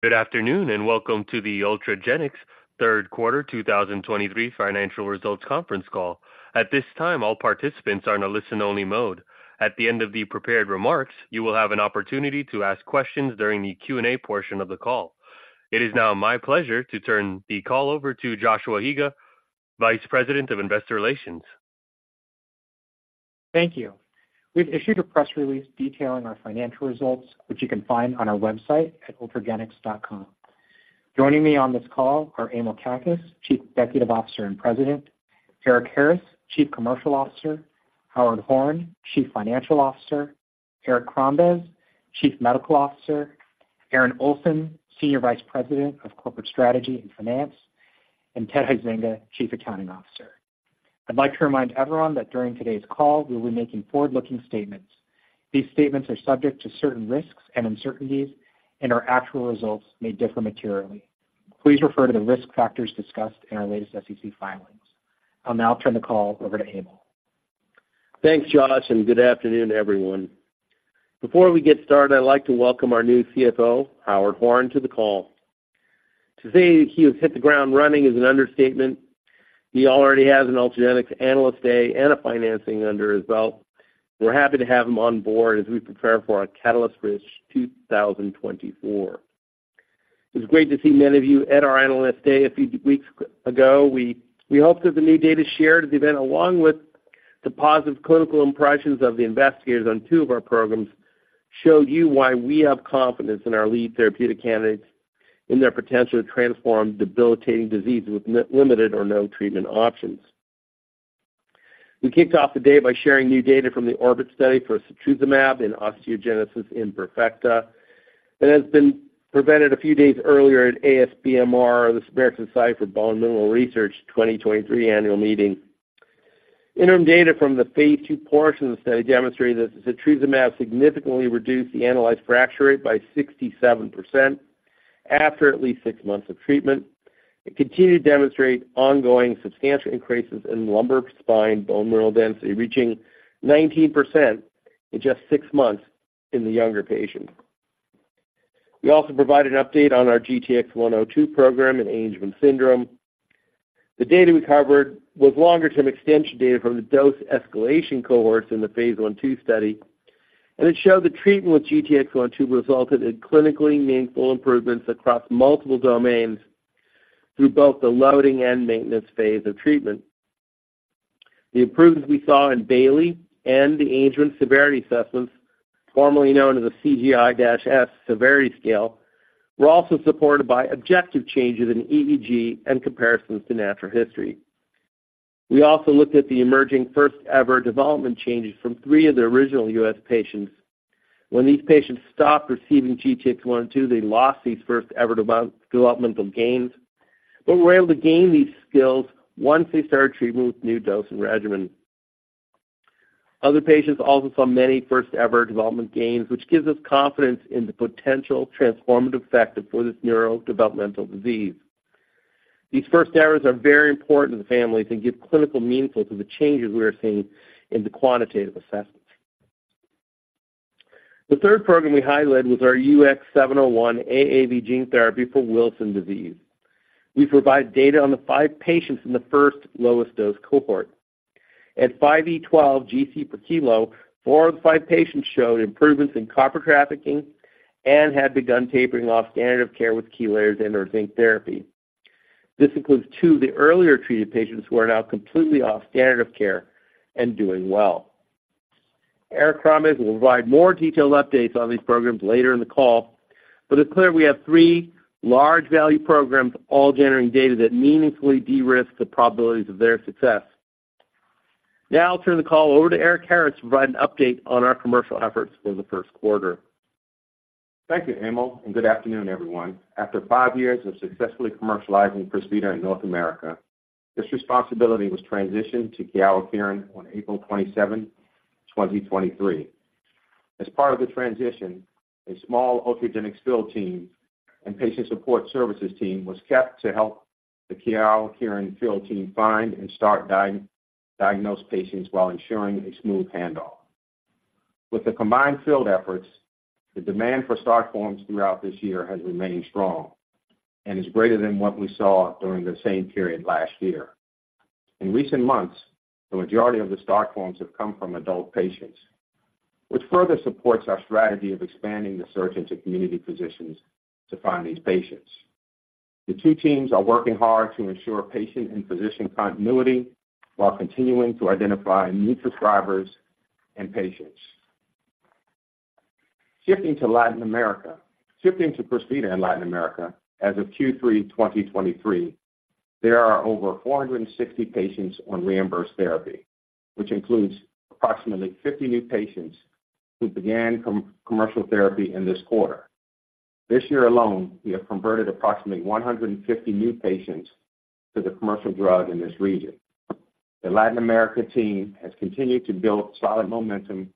Good afternoon, and welcome to the Ultragenyx third quarter 2023 financial results conference call. At this time, all participants are in a listen-only mode. At the end of the prepared remarks, you will have an opportunity to ask questions during the Q&A portion of the call. It is now my pleasure to turn the call over to Joshua Higa, Vice President of Investor Relations. Thank you. We've issued a press release detailing our financial results, which you can find on our website at Ultragenyx.com. Joining me on this call are Emil Kakkis, Chief Executive Officer and President, Erik Harris, Chief Commercial Officer, Howard Horn, Chief Financial Officer, Erik Crombez, Chief Medical Officer, Aaron Olson, Senior Vice President of Corporate Strategy and Finance, and Ted Huizenga, Chief Accounting Officer. I'd like to remind everyone that during today's call, we will be making forward-looking statements. These statements are subject to certain risks and uncertainties, and our actual results may differ materially. Please refer to the risk factors discussed in our latest SEC filings. I'll now turn the call over to Emil. Thanks, Josh, and good afternoon, everyone. Before we get started, I'd like to welcome our new CFO, Howard Horn, to the call. To say he has hit the ground running is an understatement. He already has an Ultragenyx Analyst Day and a financing under his belt. We're happy to have him on board as we prepare for our catalyst-rich 2024. It was great to see many of you at our Analyst Day a few weeks ago. We hope that the new data shared at the event, along with the positive clinical impressions of the investigators on two of our programs, showed you why we have confidence in our lead therapeutic candidates and their potential to transform debilitating diseases with limited or no treatment options. We kicked off the day by sharing new data from the ORBIT study for setrusumab in osteogenesis imperfecta. It has been presented a few days earlier at ASBMR, the American Society for Bone and Mineral Research 2023 annual meeting. Interim data from the Phase II portion of the study demonstrated that setrusumab significantly reduced the annualized fracture rate by 67% after at least six months of treatment and continued to demonstrate ongoing substantial increases in lumbar spine bone mineral density, reaching 19% in just six months in the younger patients. We also provided an update on our GTX-102 program in Angelman syndrome. The data we covered was longer-term extension data from the dose escalation cohorts in the phase 1/2 study, and it showed that treatment with GTX-102 resulted in clinically meaningful improvements across multiple domains through both the loading and maintenance phase of treatment. The improvements we saw in Bayley and the Angelman Severity Assessments, formerly known as the CGI-S Severity Scale, were also supported by objective changes in EEG and comparisons to natural history. We also looked at the emerging first-ever development changes from three of the original U.S. patients. When these patients stopped receiving GTX-102, they lost these first-ever developmental gains, but were able to gain these skills once they started treatment with new dosing regimen. Other patients also saw many first-ever development gains, which gives us confidence in the potential transformative effect for this neurodevelopmental disease. These first-ever are very important to the families and give clinical meaning to the changes we are seeing in the quantitative assessments. The third program we highlighted was our UX701 AAV gene therapy for Wilson disease. We provide data on the five patients in the first lowest dose cohort. At 5e12 GC per kilo, four of the five patients showed improvements in copper trafficking and had begun tapering off standard of care with chelation and/or zinc therapy. This includes two of the earlier treated patients who are now completely off standard of care and doing well. Erik Crombez will provide more detailed updates on these programs later in the call, but it's clear we have three large value programs, all generating data that meaningfully de-risk the probabilities of their success. Now I'll turn the call over to Erik Harris to provide an update on our commercial efforts for the first quarter. Thank you, Emil, and good afternoon, everyone. After five years of successfully commercializing Crysvita in North America, this responsibility was transitioned to Kyowa Kirin on April 27, 2023. As part of the transition, a small Ultragenyx field team and patient support services team was kept to help the Kyowa Kirin field team find and start diagnose patients while ensuring a smooth handoff. With the combined field efforts, the demand for start forms throughout this year has remained strong and is greater than what we saw during the same period last year. In recent months, the majority of the start forms have come from adult patients, which further supports our strategy of expanding the search into community physicians to find these patients. The two teams are working hard to ensure patient and physician continuity while continuing to identify new prescribers and patients. Shifting to Latin America—shifting to Crysvita in Latin America, as of Q3 2023, there are over 460 patients on reimbursed therapy, which includes approximately 50 new patients who began commercial therapy in this quarter. This year alone, we have converted approximately 150 new patients to the commercial drug in this region. The Latin America team has continued to build solid momentum,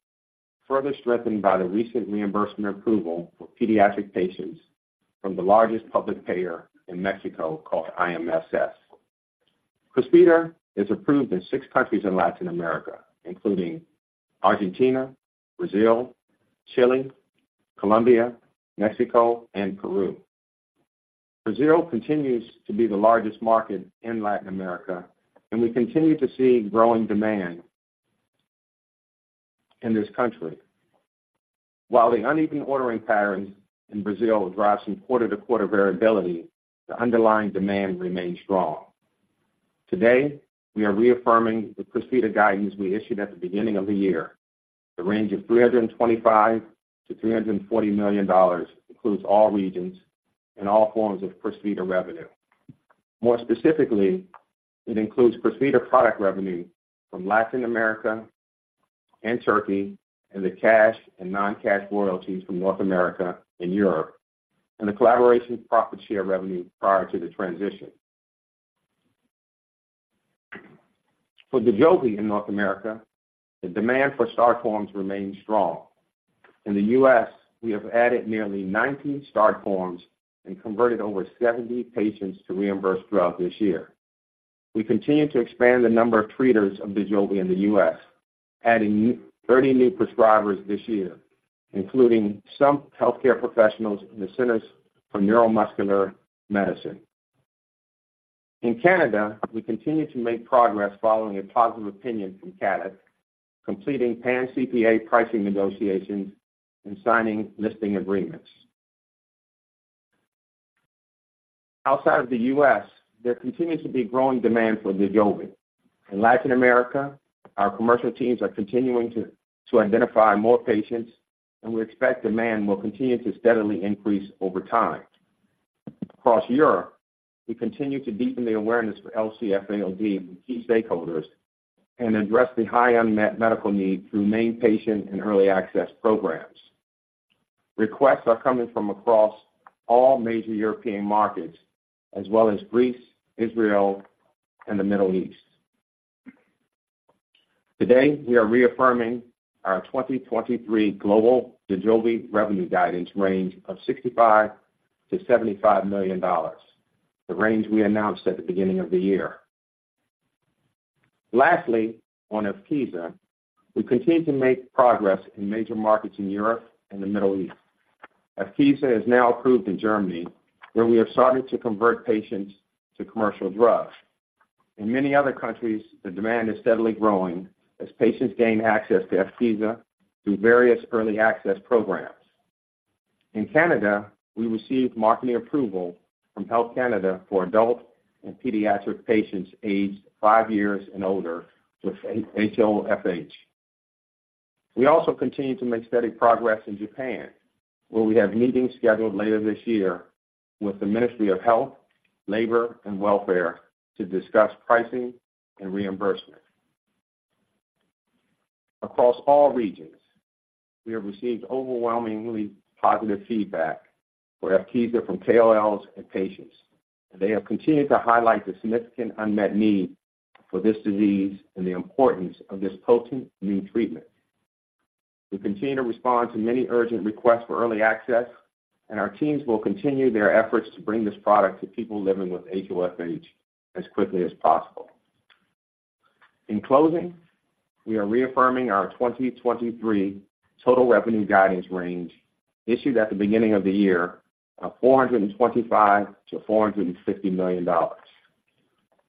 further strengthened by the recent reimbursement approval for pediatric patients from the largest public payer in Mexico, called IMSS. Crysvita is approved in six countries in Latin America, including Argentina, Brazil, Chile, Colombia, Mexico, and Peru. Brazil continues to be the largest market in Latin America, and we continue to see growing demand in this country. While the uneven ordering patterns in Brazil drive some quarter-to-quarter variability, the underlying demand remains strong. Today, we are reaffirming the Crysvita guidance we issued at the beginning of the year. The range of $325 million-$340 million includes all regions and all forms of Crysvita revenue. More specifically, it includes Crysvita product revenue from Latin America and Turkey, and the cash and non-cash royalties from North America and Europe, and the collaboration profit share revenue prior to the transition. For Dojolvi in North America, the demand for start forms remains strong. In the U.S., we have added nearly 90 start forms and converted over 70 patients to reimbursed throughout this year. We continue to expand the number of treaters of Dojolvi in the U.S., adding 30 new prescribers this year, including some healthcare professionals in the Centers for Neuromuscular Medicine. In Canada, we continue to make progress following a positive opinion from CADTH, completing pCPA pricing negotiations and signing listing agreements. Outside of the U.S., there continues to be growing demand for Dojolvi. In Latin America, our commercial teams are continuing to identify more patients, and we expect demand will continue to steadily increase over time. Across Europe, we continue to deepen the awareness for LCFAOD with key stakeholders and address the high unmet medical need through main patient and early access programs. Requests are coming from across all major European markets as well as Greece, Israel, and the Middle East. Today, we are reaffirming our 2023 global Dojolvi revenue guidance range of $65 million-$75 million, the range we announced at the beginning of the year. Lastly, on Evkeeza, we continue to make progress in major markets in Europe and the Middle East. Evkeeza is now approved in Germany, where we have started to convert patients to commercial drugs. In many other countries, the demand is steadily growing as patients gain access to Evkeeza through various early access programs. In Canada, we received marketing approval from Health Canada for adult and pediatric patients aged five years and older with HoFH. We also continue to make steady progress in Japan, where we have meetings scheduled later this year with the Ministry of Health, Labour and Welfare to discuss pricing and reimbursement. Across all regions, we have received overwhelmingly positive feedback for Evkeeza from KOLs and patients. They have continued to highlight the significant unmet need for this disease and the importance of this potent new treatment. We continue to respond to many urgent requests for early access, and our teams will continue their efforts to bring this product to people living with HoFH as quickly as possible. In closing, we are reaffirming our 2023 total revenue guidance range, issued at the beginning of the year, of $425 million-$450 million.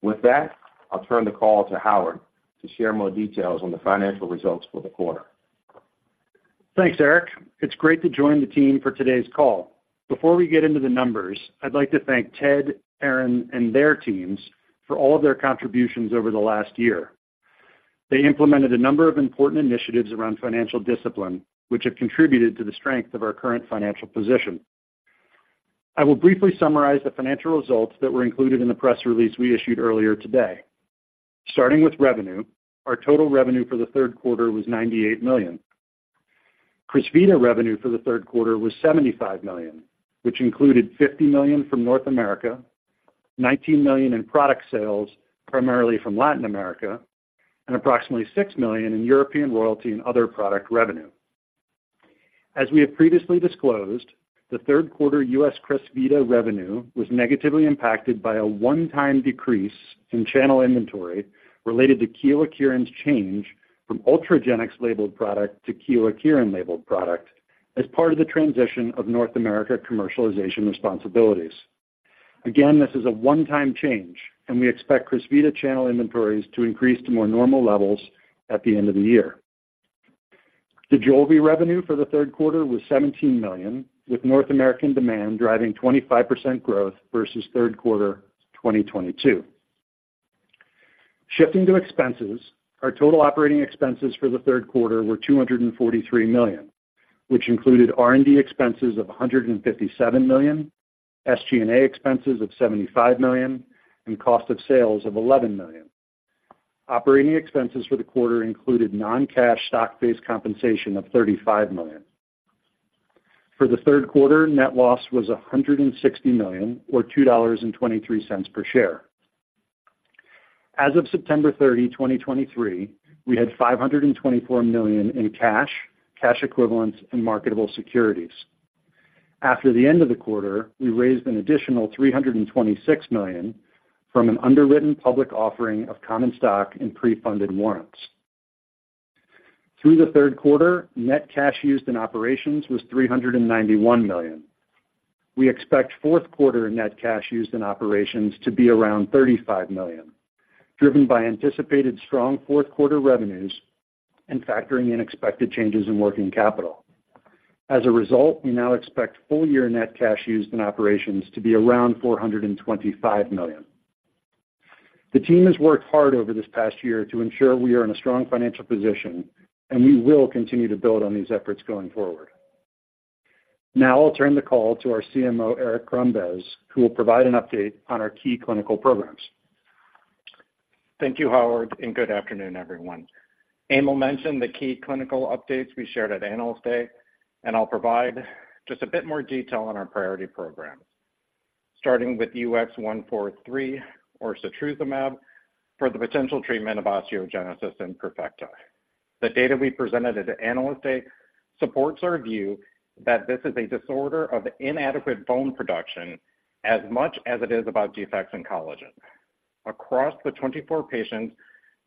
With that, I'll turn the call to Howard to share more details on the financial results for the quarter. Thanks, Eric. It's great to join the team for today's call. Before we get into the numbers, I'd like to thank Ted, Aaron, and their teams for all of their contributions over the last year. They implemented a number of important initiatives around financial discipline, which have contributed to the strength of our current financial position. I will briefly summarize the financial results that were included in the press release we issued earlier today. Starting with revenue, our total revenue for the third quarter was $98 million. Crysvita revenue for the third quarter was $75 million, which included $50 million from North America, $19 million in product sales, primarily from Latin America, and approximately $6 million in European royalty and other product revenue. As we have previously disclosed, the third quarter U.S. Crysvita revenue was negatively impacted by a one-time decrease in channel inventory related to Kyowa Kirin's change from Ultragenyx labeled product to Kyowa Kirin labeled product as part of the transition of North America commercialization responsibilities. Again, this is a one-time change, and we expect Crysvita channel inventories to increase to more normal levels at the end of the year. Dojolvi revenue for the third quarter was $17 million, with North American demand driving 25% growth versus third quarter 2022. Shifting to expenses, our total operating expenses for the third quarter were $243 million, which included R&D expenses of $157 million, SG&A expenses of $75 million, and cost of sales of $11 million. Operating expenses for the quarter included non-cash stock-based compensation of $35 million. For the third quarter, net loss was $160 million or $2.23 per share. As of September 30, 2023, we had $524 million in cash, cash equivalents, and marketable securities. After the end of the quarter, we raised an additional $326 million from an underwritten public offering of common stock and pre-funded warrants. Through the third quarter, net cash used in operations was $391 million. We expect fourth quarter net cash used in operations to be around $35 million, driven by anticipated strong fourth quarter revenues and factoring in expected changes in working capital. As a result, we now expect full-year net cash used in operations to be around $425 million. The team has worked hard over this past year to ensure we are in a strong financial position, and we will continue to build on these efforts going forward. Now I'll turn the call to our CMO, Erik Crombez, who will provide an update on our key clinical programs. Thank you, Howard, and good afternoon, everyone. Emil mentioned the key clinical updates we shared at Analyst Day, and I'll provide just a bit more detail on our priority programs. Starting with UX143, or setrusumab, for the potential treatment of osteogenesis imperfecta. The data we presented at the Analyst Day supports our view that this is a disorder of inadequate bone production as much as it is about defects in collagen. Across the 24 patients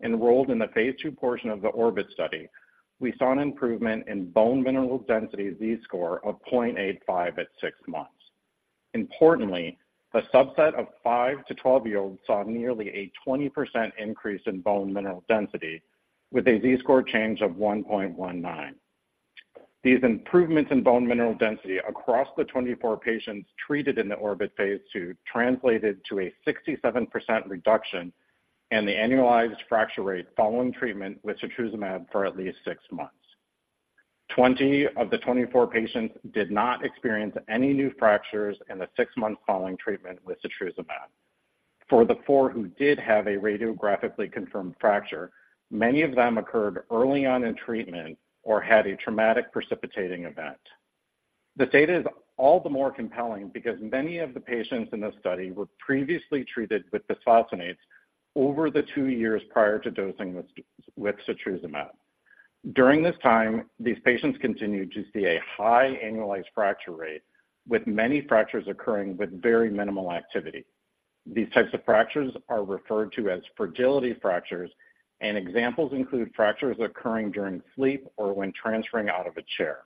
enrolled in the phase two portion of the ORBIT study, we saw an improvement in bone mineral density Z-score of 0.85 at six months. Importantly, a subset of five- to 12-year-olds saw nearly a 20% increase in bone mineral density with a Z-score change of 1.19. These improvements in bone mineral density across the 24 patients treated in the ORBIT Phase II translated to a 67% reduction in the annualized fracture rate following treatment with setrusumab for at least six months. 20 of the 24 patients did not experience any new fractures in the six months following treatment with setrusumab. For the four who did have a radiographically confirmed fracture, many of them occurred early on in treatment or had a traumatic precipitating event. The data is all the more compelling because many of the patients in this study were previously treated with bisphosphonates over the two years prior to dosing with setrusumab. During this time, these patients continued to see a high annualized fracture rate, with many fractures occurring with very minimal activity. These types of fractures are referred to as fragility fractures, and examples include fractures occurring during sleep or when transferring out of a chair.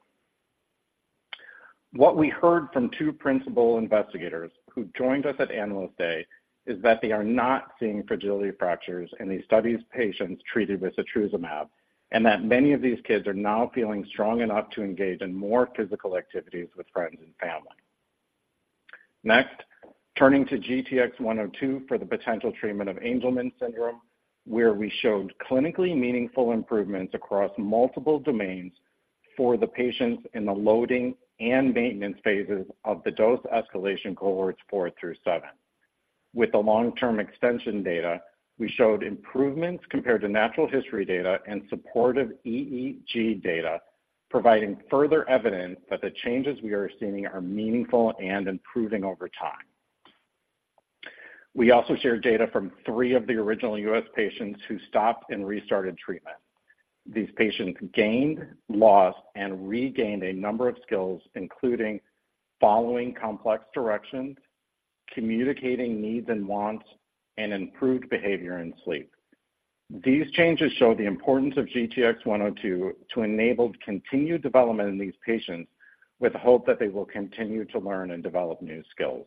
What we heard from two principal investigators who joined us at Analyst Day is that they are not seeing fragility fractures in these studies patients treated with setrusumab, and that many of these kids are now feeling strong enough to engage in more physical activities with friends and family. Next, turning to GTX-102 for the potential treatment of Angelman syndrome, where we showed clinically meaningful improvements across multiple domains for the patients in the loading and maintenance phases of the dose escalation cohorts four through seven. With the long-term extension data, we showed improvements compared to natural history data and supportive EEG data, providing further evidence that the changes we are seeing are meaningful and improving over time. We also shared data from three of the original U.S. patients who stopped and restarted treatment. These patients gained, lost, and regained a number of skills, including following complex directions, communicating needs and wants, and improved behavior and sleep. These changes show the importance of GTX-102 to enable continued development in these patients with hope that they will continue to learn and develop new skills.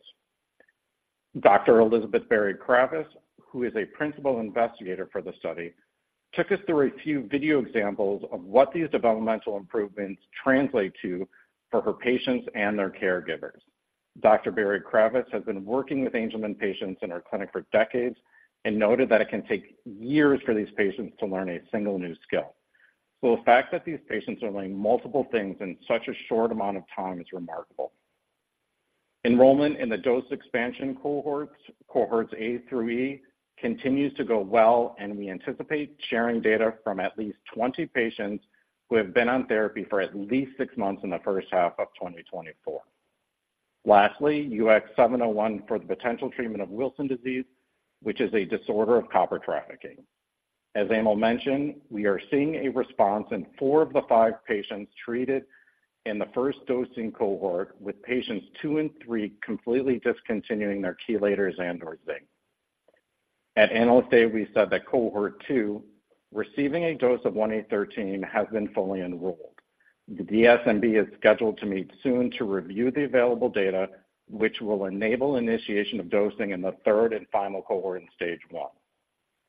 Dr. Elizabeth Berry-Kravis, who is a principal investigator for the study, took us through a few video examples of what these developmental improvements translate to for her patients and their caregivers. Dr. Berry-Kravis has been working with Angelman patients in her clinic for decades and noted that it can take years for these patients to learn a single new skill. So the fact that these patients are learning multiple things in such a short amount of time is remarkable. Enrollment in the dose expansion cohorts, cohorts A through E, continues to go well, and we anticipate sharing data from at least 20 patients who have been on therapy for at least six months in the first half of 2024. Lastly, UX701 for the potential treatment of Wilson disease, which is a disorder of copper trafficking. As Emil mentioned, we are seeing a response in four of the five patients treated in the first dosing cohort, with patients two and three completely discontinuing their chelators and/or zinc. At Analyst Day, we said that cohort two, receiving a dose of 1 x 10^13, has been fully enrolled. The DSMB is scheduled to meet soon to review the available data, which will enable initiation of dosing in the third and final cohort in stage 1.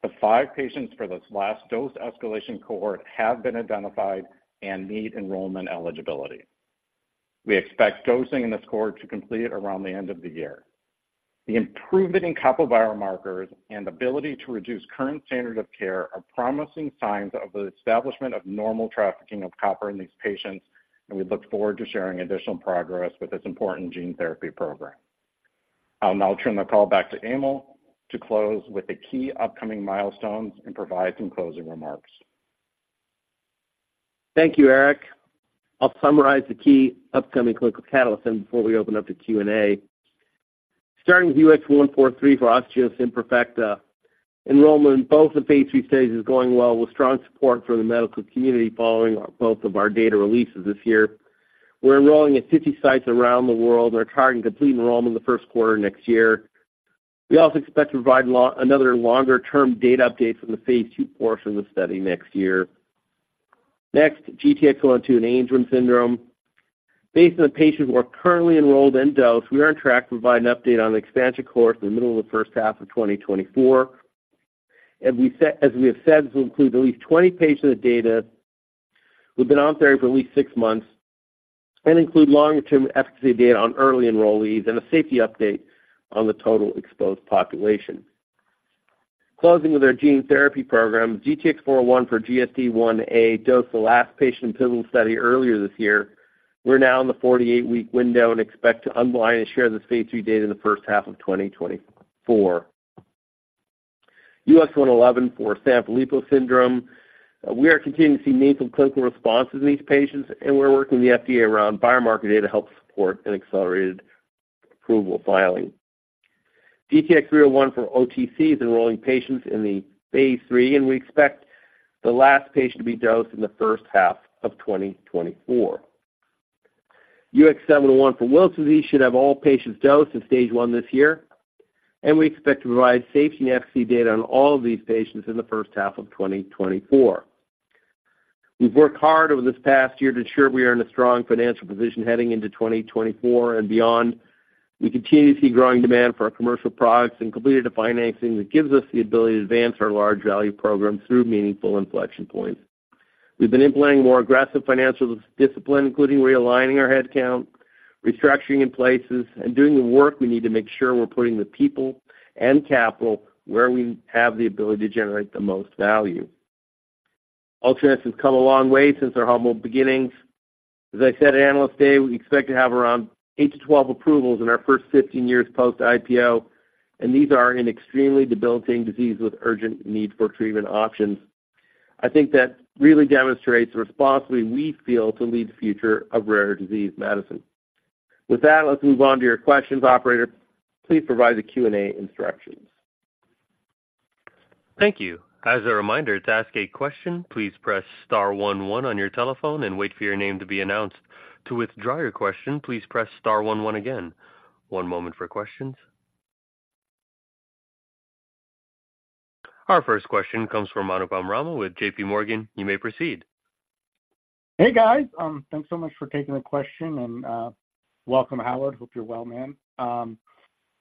The five patients for this last dose escalation cohort have been identified and meet enrollment eligibility. We expect dosing in this cohort to complete around the end of the year. The improvement in copper biomarkers and ability to reduce current standard of care are promising signs of the establishment of normal trafficking of copper in these patients, and we look forward to sharing additional progress with this important gene therapy program. I'll now turn the call back to Emil to close with the key upcoming milestones and provide some closing remarks. Thank you, Eric. I'll summarize the key upcoming clinical catalysts before we open up to Q&A.... Starting with UX143 for osteogenesis imperfecta, enrollment in both the Phase III studies is going well, with strong support from the medical community following both of our data releases this year. We're enrolling at 50 sites around the world and are targeting to complete enrollment in the first quarter next year. We also expect to provide another longer-term data update from the Phase II portion of the study next year. Next, GTX-102 in Angelman syndrome. Based on the patients who are currently enrolled in dose, we are on track to provide an update on the expansion cohort in the middle of the first half of 2024. We said, as we have said, this will include data from at least 20 patients who've been on therapy for at least 6 months and include longer-term efficacy data on early enrollees and a safety update on the total exposed population. Closing with our gene therapy program, DTX401 for GSD Ia dosed the last patient in the pivotal study earlier this year. We're now in the 48-week window and expect to unblind and share this Phase II data in the first half of 2024. UX111 for Sanfilippo syndrome. We are continuing to see meaningful clinical responses in these patients, and we're working with the FDA around biomarker data to help support an accelerated approval filing. DTX301 for OTC is enrolling patients in the Phase III, and we expect the last patient to be dosed in the first half of 2024. UX701 for Wilson disease should have all patients dosed in Stage I this year, and we expect to provide safety and efficacy data on all of these patients in the first half of 2024. We've worked hard over this past year to ensure we are in a strong financial position heading into 2024 and beyond. We continue to see growing demand for our commercial products and completed a financing that gives us the ability to advance our large value program through meaningful inflection points. We've been implementing more aggressive financial discipline, including realigning our headcount, restructuring in places, and doing the work we need to make sure we're putting the people and capital where we have the ability to generate the most value. Ultragenyx has come a long way since their humble beginnings. As I said at Analyst Day, we expect to have around eight-12 approvals in our first 15 years post-IPO, and these are in extremely debilitating diseases with urgent need for treatment options. I think that really demonstrates the responsibility we feel to lead the future of rare disease medicine. With that, let's move on to your questions. Operator, please provide the Q&A instructions. Thank you. As a reminder, to ask a question, please press star one one on your telephone and wait for your name to be announced. To withdraw your question, please press star one one again. One moment for questions. Our first question comes from Mani Foroohar with Leerink Partners. You may proceed. Hey, guys, thanks so much for taking the question, and welcome, Howard. Hope you're well, man.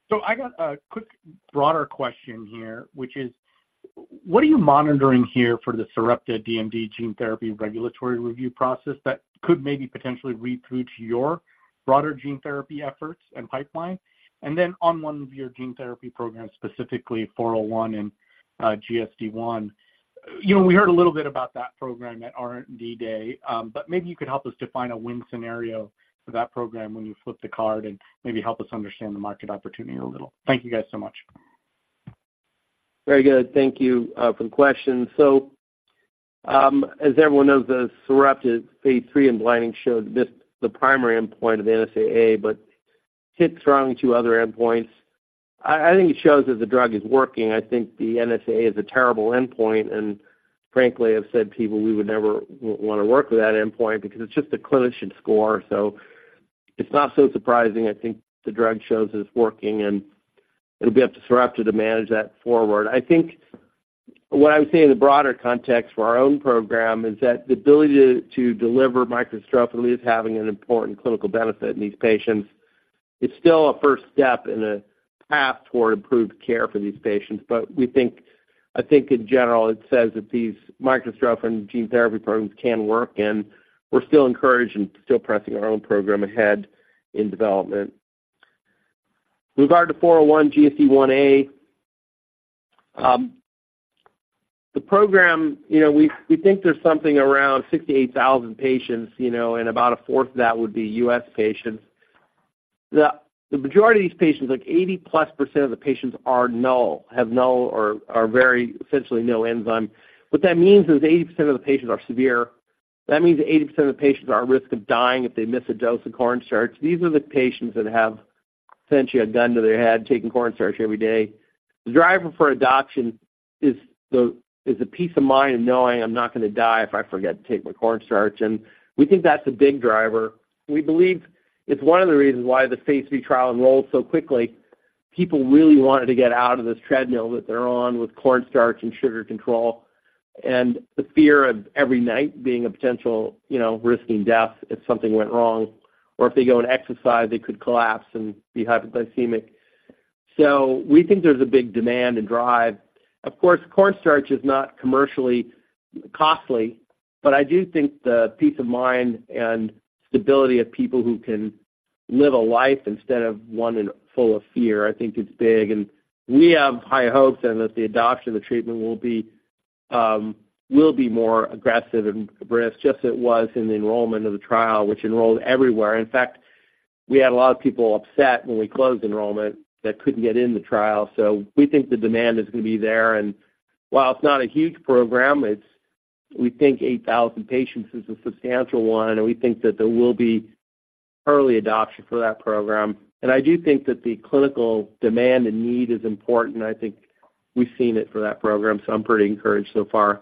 So I got a quick, broader question here, which is: What are you monitoring here for the Sarepta DMD gene therapy regulatory review process that could maybe potentially read through to your broader gene therapy efforts and pipeline? And then on one of your gene therapy programs, specifically 401 and GSD I, you know, we heard a little bit about that program at R&D Day, but maybe you could help us define a win scenario for that program when you flip the card and maybe help us understand the market opportunity a little. Thank you guys so much. Very good. Thank you for the question. So, as everyone knows, the Sarepta phase III and unblinding showed just the primary endpoint of the NSAA, but hit strong two other endpoints. I, I think it shows that the drug is working. I think the NSAA is a terrible endpoint, and frankly, I've said to people, we would never want to work with that endpoint because it's just a clinician score. So it's not so surprising. I think the drug shows it's working, and it'll be up to Sarepta to manage that forward. I think what I would say in the broader context for our own program is that the ability to deliver microdystrophin is having an important clinical benefit in these patients. It's still a first step in a path toward improved care for these patients, but we think, I think in general, it says that these microdystrophin gene therapy programs can work, and we're still encouraged and still pressing our own program ahead in development. With regard to DTX401 GSD Ia, the program, you know, we, we think there's something around 68,000 patients, you know, and about a fourth of that would be U.S. patients. The, the majority of these patients, like 80%+ of the patients, are null, have no or are very essentially no enzyme. What that means is 80% of the patients are severe. That means 80% of the patients are at risk of dying if they miss a dose of cornstarch. These are the patients that have essentially a gun to their head, taking cornstarch every day. The driver for adoption is the peace of mind of knowing I'm not gonna die if I forget to take my cornstarch. We think that's a big driver. We believe it's one of the reasons why the phase III trial enrolled so quickly. People really wanted to get out of this treadmill that they're on with cornstarch and sugar control, and the fear of every night being a potential, you know, risking death if something went wrong, or if they go and exercise, they could collapse and be hypoglycemic. We think there's a big demand and drive. Of course, cornstarch is not commercially costly, but I do think the peace of mind and stability of people who can live a life instead of one in full of fear. I think it's big. We have high hopes that the adoption of the treatment will be more aggressive and brisk, just as it was in the enrollment of the trial, which enrolled everywhere. In fact, we had a lot of people upset when we closed enrollment that couldn't get in the trial. So we think the demand is going to be there, and while it's not a huge program, it's. We think 8,000 patients is a substantial one, and we think that there will be early adoption for that program. I do think that the clinical demand and need is important. I think we've seen it for that program, so I'm pretty encouraged so far.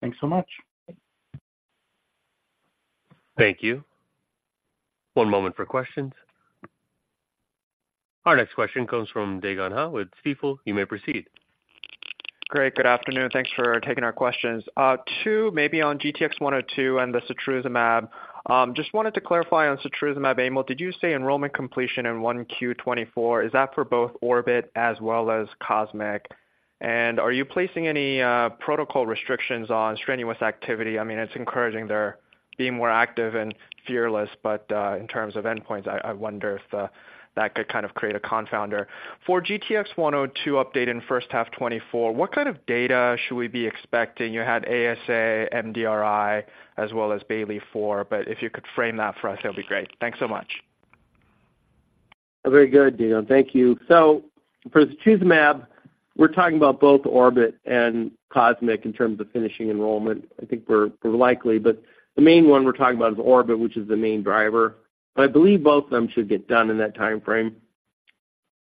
Thanks so much. Thank you. One moment for questions. Our next question comes from Dae Gon Ha with Stifel. You may proceed. Great, Good afternoon. Thanks for taking our questions. Two, maybe on GTX-102 and the setrusumab. Just wanted to clarify on setrusumab, Emil, did you say enrollment completion in 1Q 2024, is that for both ORBIT as well as COSMIC? And are you placing any protocol restrictions on strenuous activity? I mean, it's encouraging they're being more active and fearless, but in terms of endpoints, I wonder if that could kind of create a confounder. For GTX-102 update in first half 2024, what kind of data should we be expecting? You had ASA, MDRI, as well as Bayley-4, but if you could frame that for us, that'd be great. Thanks so much. Very good, Dae Gon. Thank you. So for setrusumab, we're talking about both ORBIT and COSMIC in terms of finishing enrollment. I think we're, we're likely, but the main one we're talking about is ORBIT, which is the main driver, but I believe both of them should get done in that time frame.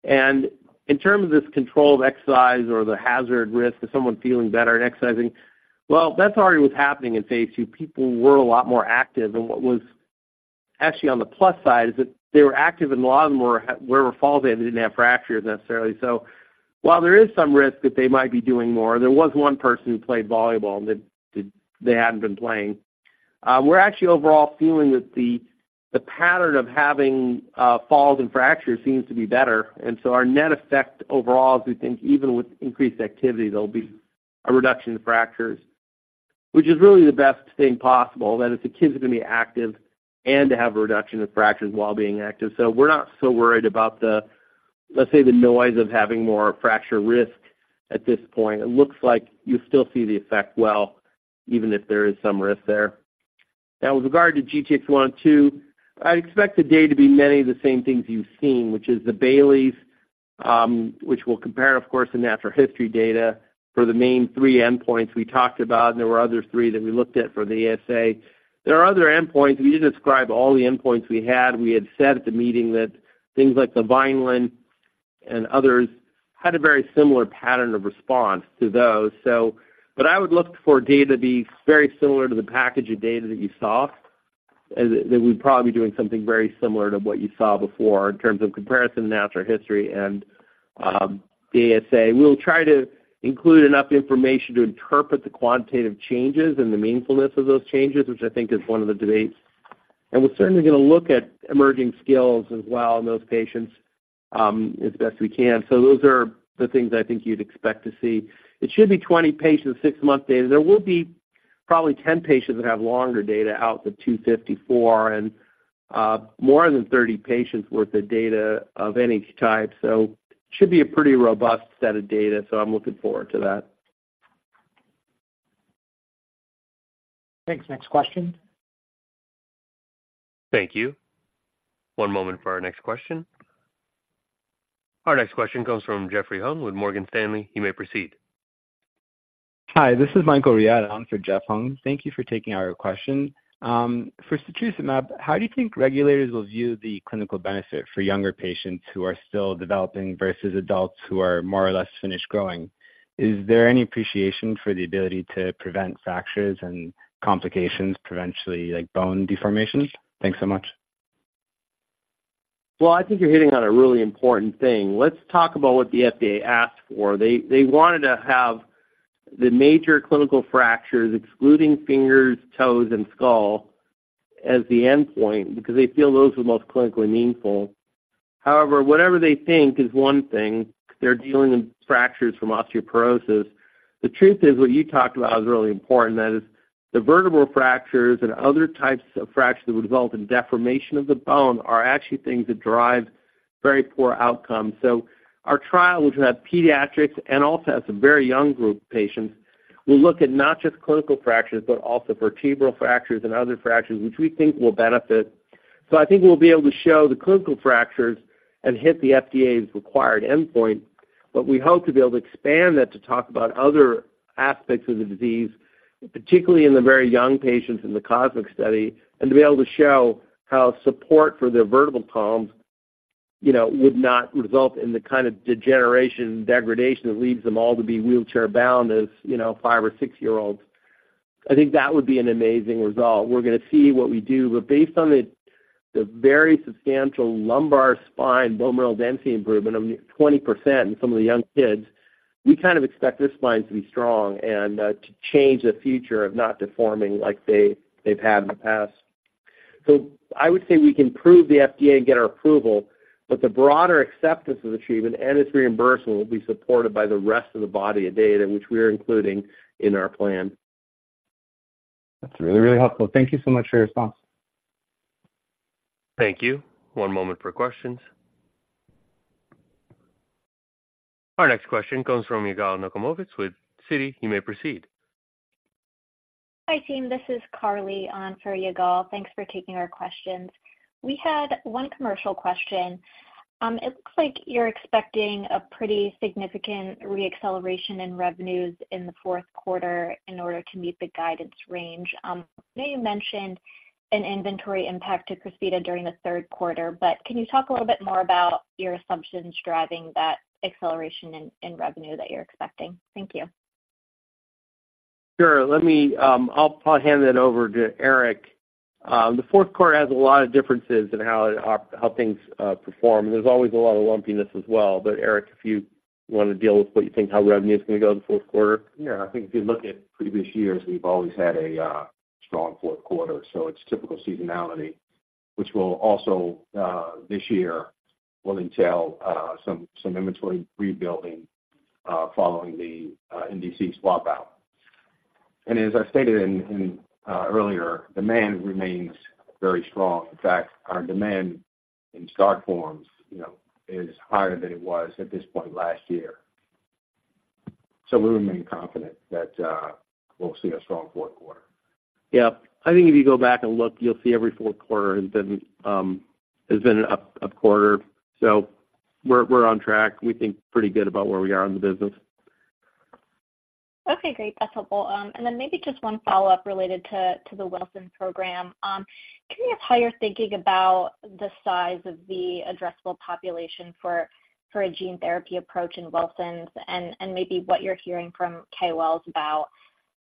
And in terms of this controlled exercise or the hazard risk of someone feeling better and exercising, well, that's already was happening in Phase II. People were a lot more active, and what was actually on the plus side, is that they were active and a lot of them were, were falls in, they didn't have fractures necessarily. So while there is some risk that they might be doing more, there was one person who played volleyball, that they hadn't been playing. We're actually overall feeling that the pattern of having falls and fractures seems to be better, and so our net effect overall is we think even with increased activity, there'll be a reduction in fractures. Which is really the best thing possible, that if the kids are going to be active and to have a reduction in fractures while being active. So we're not so worried about, let's say, the noise of having more fracture risk at this point. It looks like you still see the effect well, even if there is some risk there. Now, with regard to GTX-102, I'd expect the data to be many of the same things you've seen, which is the Bayley Scales, which we'll compare, of course, the natural history data for the main three endpoints we talked about, and there were other three that we looked at for the ASA. There are other endpoints. We didn't describe all the endpoints we had. We had said at the meeting that things like the Vineland and others had a very similar pattern of response to those, so. But I would look for data to be very similar to the package of data that you saw, as that we'd probably be doing something very similar to what you saw before in terms of comparison to natural history and the ASA. We'll try to include enough information to interpret the quantitative changes and the meaningfulness of those changes, which I think is one of the debates. And we're certainly going to look at emerging skills as well in those patients, as best we can. So those are the things I think you'd expect to see. It should be 20 patients, six-month data. There will be probably 10 patients that have longer data out to 254, and, more than 30 patients worth of data of any type. So should be a pretty robust set of data, so I'm looking forward to that. Thanks. Next question. Thank you. One moment for our next question. Our next question comes from Jeffrey Hung with Morgan Stanley. You may proceed. Hi, this is Michael Riad on for Jeffrey Hung. Thank you for taking our question. For setrusumab, how do you think regulators will view the clinical benefit for younger patients who are still developing versus adults who are more or less finished growing? Is there any appreciation for the ability to prevent fractures and complications, preventively, like bone deformations? Thanks so much. Well, I think you're hitting on a really important thing. Let's talk about what the FDA asked for. They, they wanted to have the major clinical fractures, excluding fingers, toes, and skull, as the endpoint, because they feel those are the most clinically meaningful. However, whatever they think is one thing, they're dealing with fractures from osteoporosis. The truth is, what you talked about is really important, that is, the vertebral fractures and other types of fractures that would result in deformation of the bone are actually things that drive very poor outcomes. So our trial, which will have pediatrics and also has a very young group of patients, will look at not just clinical fractures, but also vertebral fractures and other fractures, which we think will benefit. So I think we'll be able to show the clinical fractures and hit the FDA's required endpoint, but we hope to be able to expand that to talk about other aspects of the disease, particularly in the very young patients in the COSMIC study, and to be able to show how support for their vertebral columns, you know, would not result in the kind of degeneration and degradation that leads them all to be wheelchair bound, as, you know, five or six-year-olds. I think that would be an amazing result. We're going to see what we do, but based on the very substantial lumbar spine bone mineral density improvement of 20% in some of the young kids, we kind of expect this line to be strong and to change the future of not deforming like they, they've had in the past. I would say we can prove to the FDA and get our approval, but the broader acceptance of the treatment and its reimbursement will be supported by the rest of the body of data which we are including in our plan. That's really, really helpful. Thank you so much for your response. Thank you. One moment for questions. Our next question comes from Yigal Nochomovitz with Citi. You may proceed. Hi, team. This is Carly on for Yigal. Thanks for taking our questions. We had one commercial question. It looks like you're expecting a pretty significant re-acceleration in revenues in the fourth quarter in order to meet the guidance range. I know you mentioned an inventory impact to Crysvita during the third quarter, but can you talk a little bit more about your assumptions driving that acceleration in, in revenue that you're expecting? Thank you. Sure. Let me, I'll probably hand it over to Eric. The fourth quarter has a lot of differences in how it, how things perform. There's always a lot of lumpiness as well. But Eric, if you want to deal with what you think how revenue is going to go in the fourth quarter? Yeah. I think if you look at previous years, we've always had a strong fourth quarter, so it's typical seasonality, which will also this year entail some inventory rebuilding following the NDC swap out. And as I stated earlier, demand remains very strong. In fact, our demand in stock forms, you know, is higher than it was at this point last year. So we remain confident that we'll see a strong fourth quarter. Yeah. I think if you go back and look, you'll see every fourth quarter has been an up quarter. So we're on track. We think pretty good about where we are in the business. Okay, great. That's helpful. And then maybe just one follow-up related to the Wilson program. Can you give how you're thinking about the size of the addressable population for a gene therapy approach in Wilson's, and maybe what you're hearing from KOLs about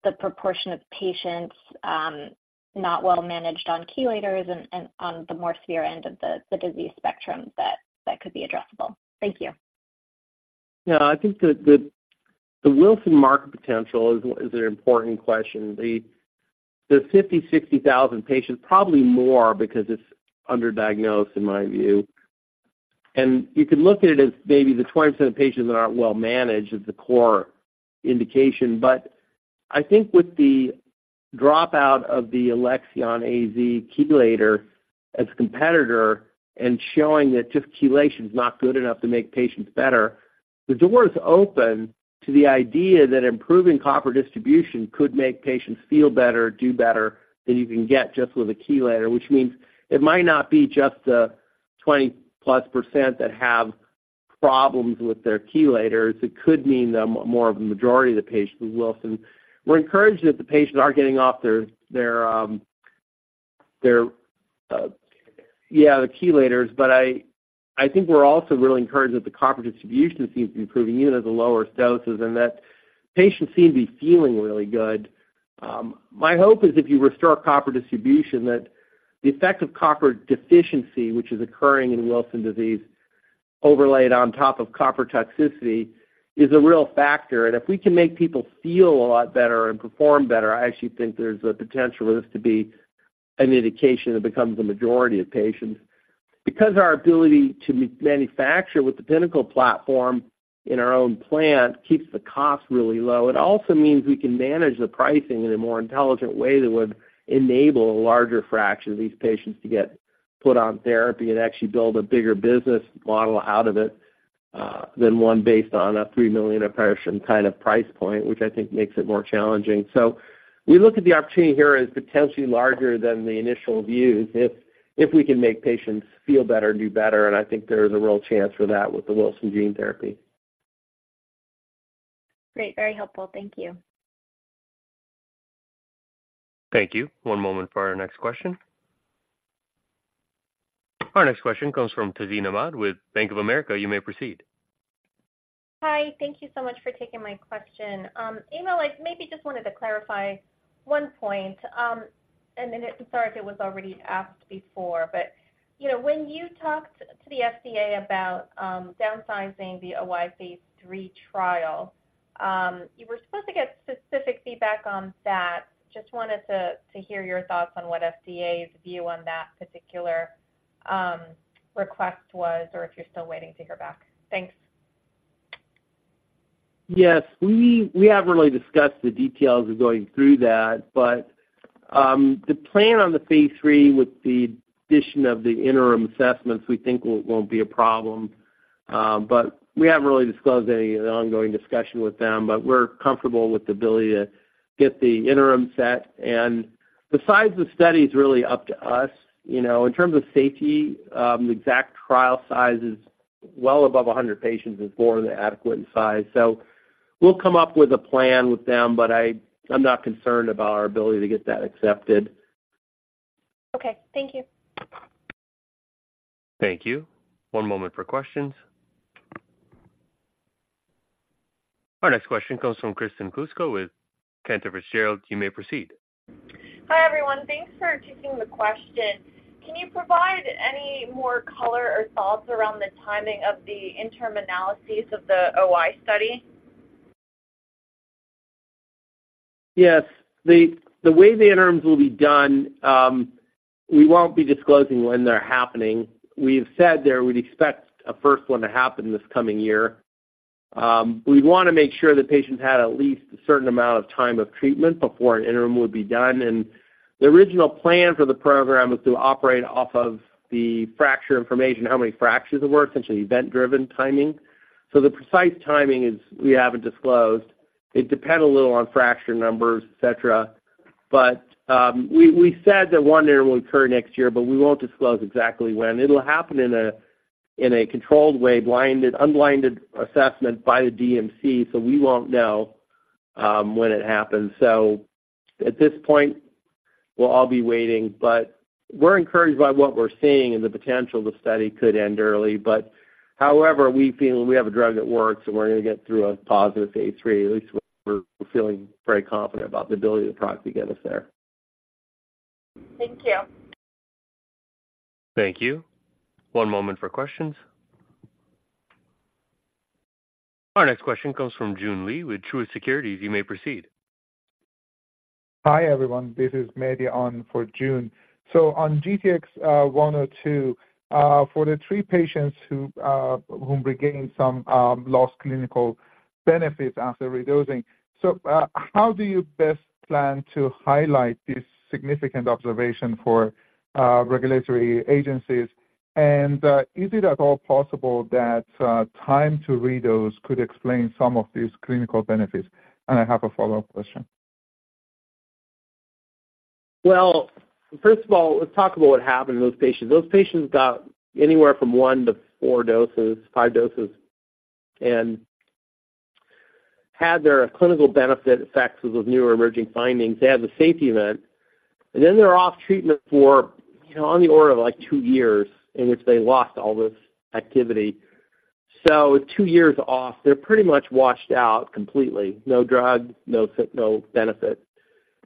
the proportion of patients not well managed on chelators and on the more severe end of the disease spectrum that could be addressable? Thank you. Yeah, I think the Wilson market potential is an important question. The 50-60 thousand patients, probably more because it's underdiagnosed in my view. And you can look at it as maybe the 20% of patients that aren't well managed is the core indication. But I think with the dropout of the Alexion AZ chelator as a competitor and showing that just chelation is not good enough to make patients better, the door is open to the idea that improving copper distribution could make patients feel better, do better than you can get just with a chelator. Which means it might not be just the 20+% that have problems with their chelators. It could mean the more of the majority of the patients with Wilson. We're encouraged that the patients are getting off their chelators, but I think we're also really encouraged that the copper distribution seems to be improving even at the lower doses, and that patients seem to be feeling really good. My hope is if you restore copper distribution, that the effect of copper deficiency, which is occurring in Wilson disease, overlaid on top of copper toxicity, is a real factor. And if we can make people feel a lot better and perform better, I actually think there's a potential for this to be an indication that becomes the majority of patients. Because our ability to manufacture with the Pinnacle platform in our own plant keeps the cost really low, it also means we can manage the pricing in a more intelligent way that would enable a larger fraction of these patients to get put on therapy and actually build a bigger business model out of it than one based on a $3 million per person kind of price point, which I think makes it more challenging. So we look at the opportunity here as potentially larger than the initial views, if we can make patients feel better, do better, and I think there is a real chance for that with the Wilson gene therapy. Great. Very helpful. Thank you. Thank you. One moment for our next question. Our next question comes from Tazeen Ahmad with Bank of America. You may proceed. Hi, thank you so much for taking my question. Emil, I maybe just wanted to clarify one point. And then sorry if it was already asked before, but, you know, when you talked to the FDA about downsizing the OI Phase III trial, you were supposed to get specific feedback on that. Just wanted to hear your thoughts on what FDA's view on that particular request was, or if you're still waiting to hear back. Thanks. Yes, we haven't really discussed the details of going through that, but the plan on the phase III with the addition of the interim assessments, we think won't be a problem. But we haven't really disclosed any of the ongoing discussion with them, but we're comfortable with the ability to get the interim set. And the size of the study is really up to us. You know, in terms of safety, the exact trial size is well above 100 patients is more than adequate in size. So we'll come up with a plan with them, but I'm not concerned about our ability to get that accepted. Okay. Thank you. Thank you. One moment for questions. Our next question comes from Kristen Kluska with Cantor Fitzgerald. You may proceed. Hi, everyone. Thanks for taking the question. Can you provide any more color or thoughts around the timing of the interim analyses of the OI study? Yes. The way the interims will be done, we won't be disclosing when they're happening. We've said there we'd expect a first one to happen this coming year. We'd want to make sure the patients had at least a certain amount of time of treatment before an interim would be done. The original plan for the program was to operate off of the fracture information, how many fractures there were, essentially event-driven timing. So the precise timing is, we haven't disclosed. It depends a little on fracture numbers, et cetera. But, we said that one year will occur next year, but we won't disclose exactly when. It'll happen in a controlled way, blinded, unblinded assessment by the DMC, so we won't know when it happens. So at this point, we'll all be waiting, but we're encouraged by what we're seeing and the potential the study could end early. But however, we feel we have a drug that works, and we're gonna get through a positive Phase III, at least we're feeling very confident about the ability of the product to get us there. Thank you. Thank you. One moment for questions. Our next question comes from Joon Lee with Truist Securities. You may proceed. Hi, everyone. This is Mehdi on for Joon. So on GTX-102, for the three patients who regained some lost clinical benefits after redosing, so how do you best plan to highlight this significant observation for regulatory agencies? And is it at all possible that time to redose could explain some of these clinical benefits? And I have a follow-up question. Well, first of all, let's talk about what happened to those patients. Those patients got anywhere from one to four doses, five doses, and had their clinical benefit effects of those new or emerging findings. They had the safety event, and then they're off treatment for, you know, on the order of, like, two years, in which they lost all this activity. So two years off, they're pretty much washed out completely. No drug, no benefit.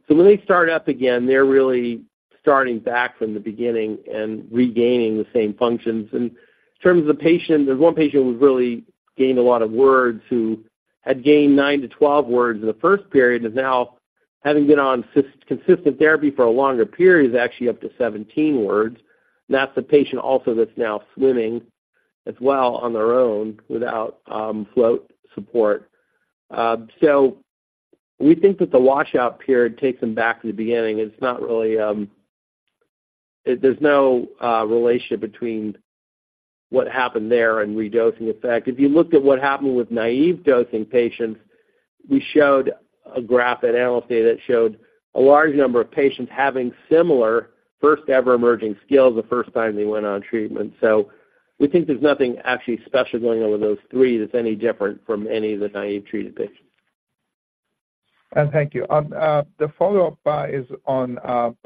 So when they start up again, they're really starting back from the beginning and regaining the same functions. And in terms of the patient, there's one patient who's really gained a lot of words, who had gained nine-12 words in the first period, is now, having been on consistent therapy for a longer period, is actually up to 17 words. That's the patient also that's now swimming as well on their own without float support. So we think that the washout period takes them back to the beginning. It's not really. There's no relationship between what happened there and redosing effect. If you looked at what happened with naive dosing patients, we showed a graph at Analyst Day that showed a large number of patients having similar first-ever emerging skills the first time they went on treatment. So we think there's nothing actually special going on with those three that's any different from any of the naive treated patients. And thank you. On the follow-up is on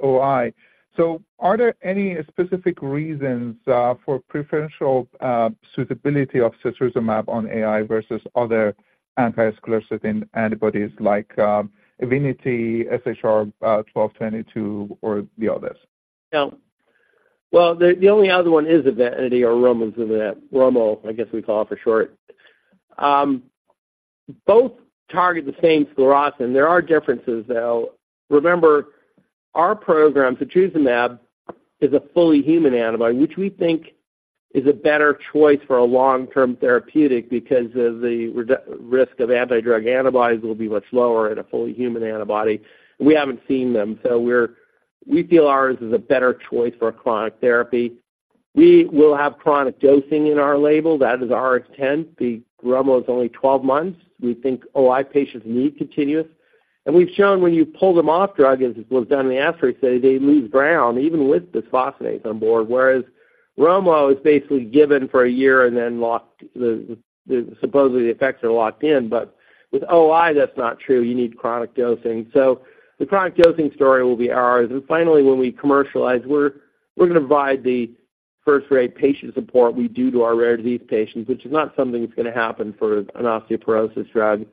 OI. So are there any specific reasons for preferential suitability of setrusumab in OI versus other anti-sclerostin antibodies like Evenity, SHR-1222, or the others? Now, the only other one is Evenity or romosozumab, Romo, I guess we call it for short. Both target the same sclerostin, and there are differences, though. Remember, our program, setrusumab, is a fully human antibody, which we think is a better choice for a long-term therapeutic because of the reduced risk of anti-drug antibodies will be much lower in a fully human antibody. We haven't seen them, so we feel ours is a better choice for a chronic therapy. We will have chronic dosing in our label. That is our intent. The Romo is only 12 months. We think OI patients need continuous. And we've shown when you pull them off drug, as was done in the ASTEROID study, they lose ground even with bisphosphonates on board, whereas Romo is basically given for a year and then locked, supposedly the effects are locked in. But with OI, that's not true. You need chronic dosing. So the chronic dosing story will be ours. And finally, when we commercialize, we're gonna provide the first-rate patient support we do to our rare disease patients, which is not something that's gonna happen for an osteoporosis drug.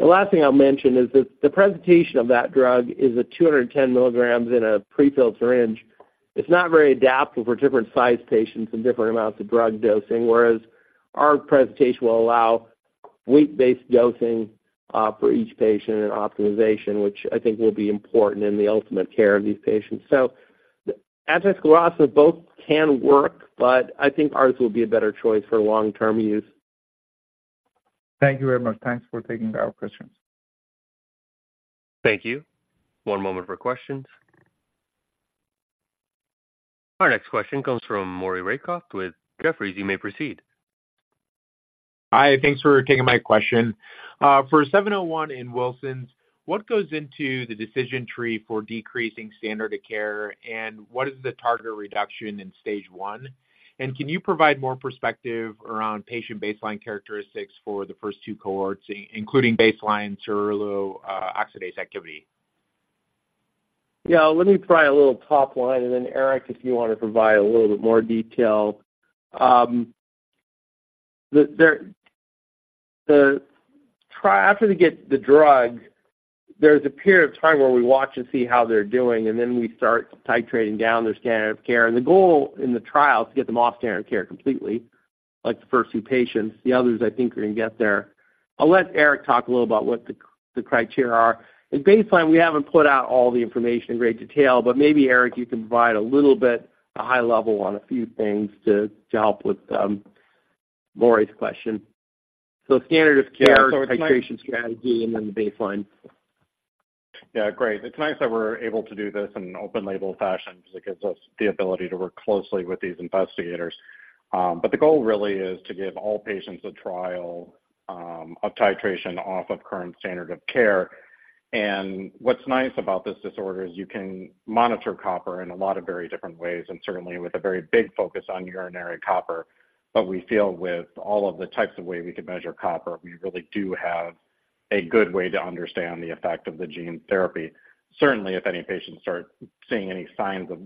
The last thing I'll mention is that the presentation of that drug is 210 milligrams in a prefilled syringe. It's not very adaptable for different sized patients and different amounts of drug dosing, whereas our presentation will allow weight-based dosing for each patient and optimization, which I think will be important in the ultimate care of these patients. So anti-sclerostin both can work, but I think ours will be a better choice for long-term use. Thank you very much. Thanks for taking our questions. Thank you. One moment for questions. Our next question comes from Maury Raycroft with Jefferies. You may proceed. Hi, thanks for taking my question. For 701 in Wilson disease, what goes into the decision tree for decreasing standard of care, and what is the target reduction in stage two? And can you provide more perspective around patient baseline characteristics for the first two cohorts, including baseline ceruloplasmin, oxidase activity? Yeah, let me try a little top line, and then, Eric, if you want to provide a little bit more detail. After they get the drug, there's a period of time where we watch and see how they're doing, and then we start titrating down their standard of care. And the goal in the trial is to get them off standard of care completely, like the first two patients. The others, I think, are going to get there. I'll let Erik talk a little about what the criteria are. At baseline, we haven't put out all the information in great detail, but maybe, Eric, you can provide a little bit, a high level on a few things to help with Maury's question. So standard of care, titration strategy, and then the baseline. Yeah, great. It's nice that we're able to do this in an open label fashion because it gives us the ability to work closely with these investigators. But the goal really is to give all patients a trial of titration off of current standard of care. And what's nice about this disorder is you can monitor copper in a lot of very different ways, and certainly with a very big focus on urinary copper. But we feel with all of the types of way we could measure copper, we really do have a good way to understand the effect of the gene therapy. Certainly, if any patients start seeing any signs of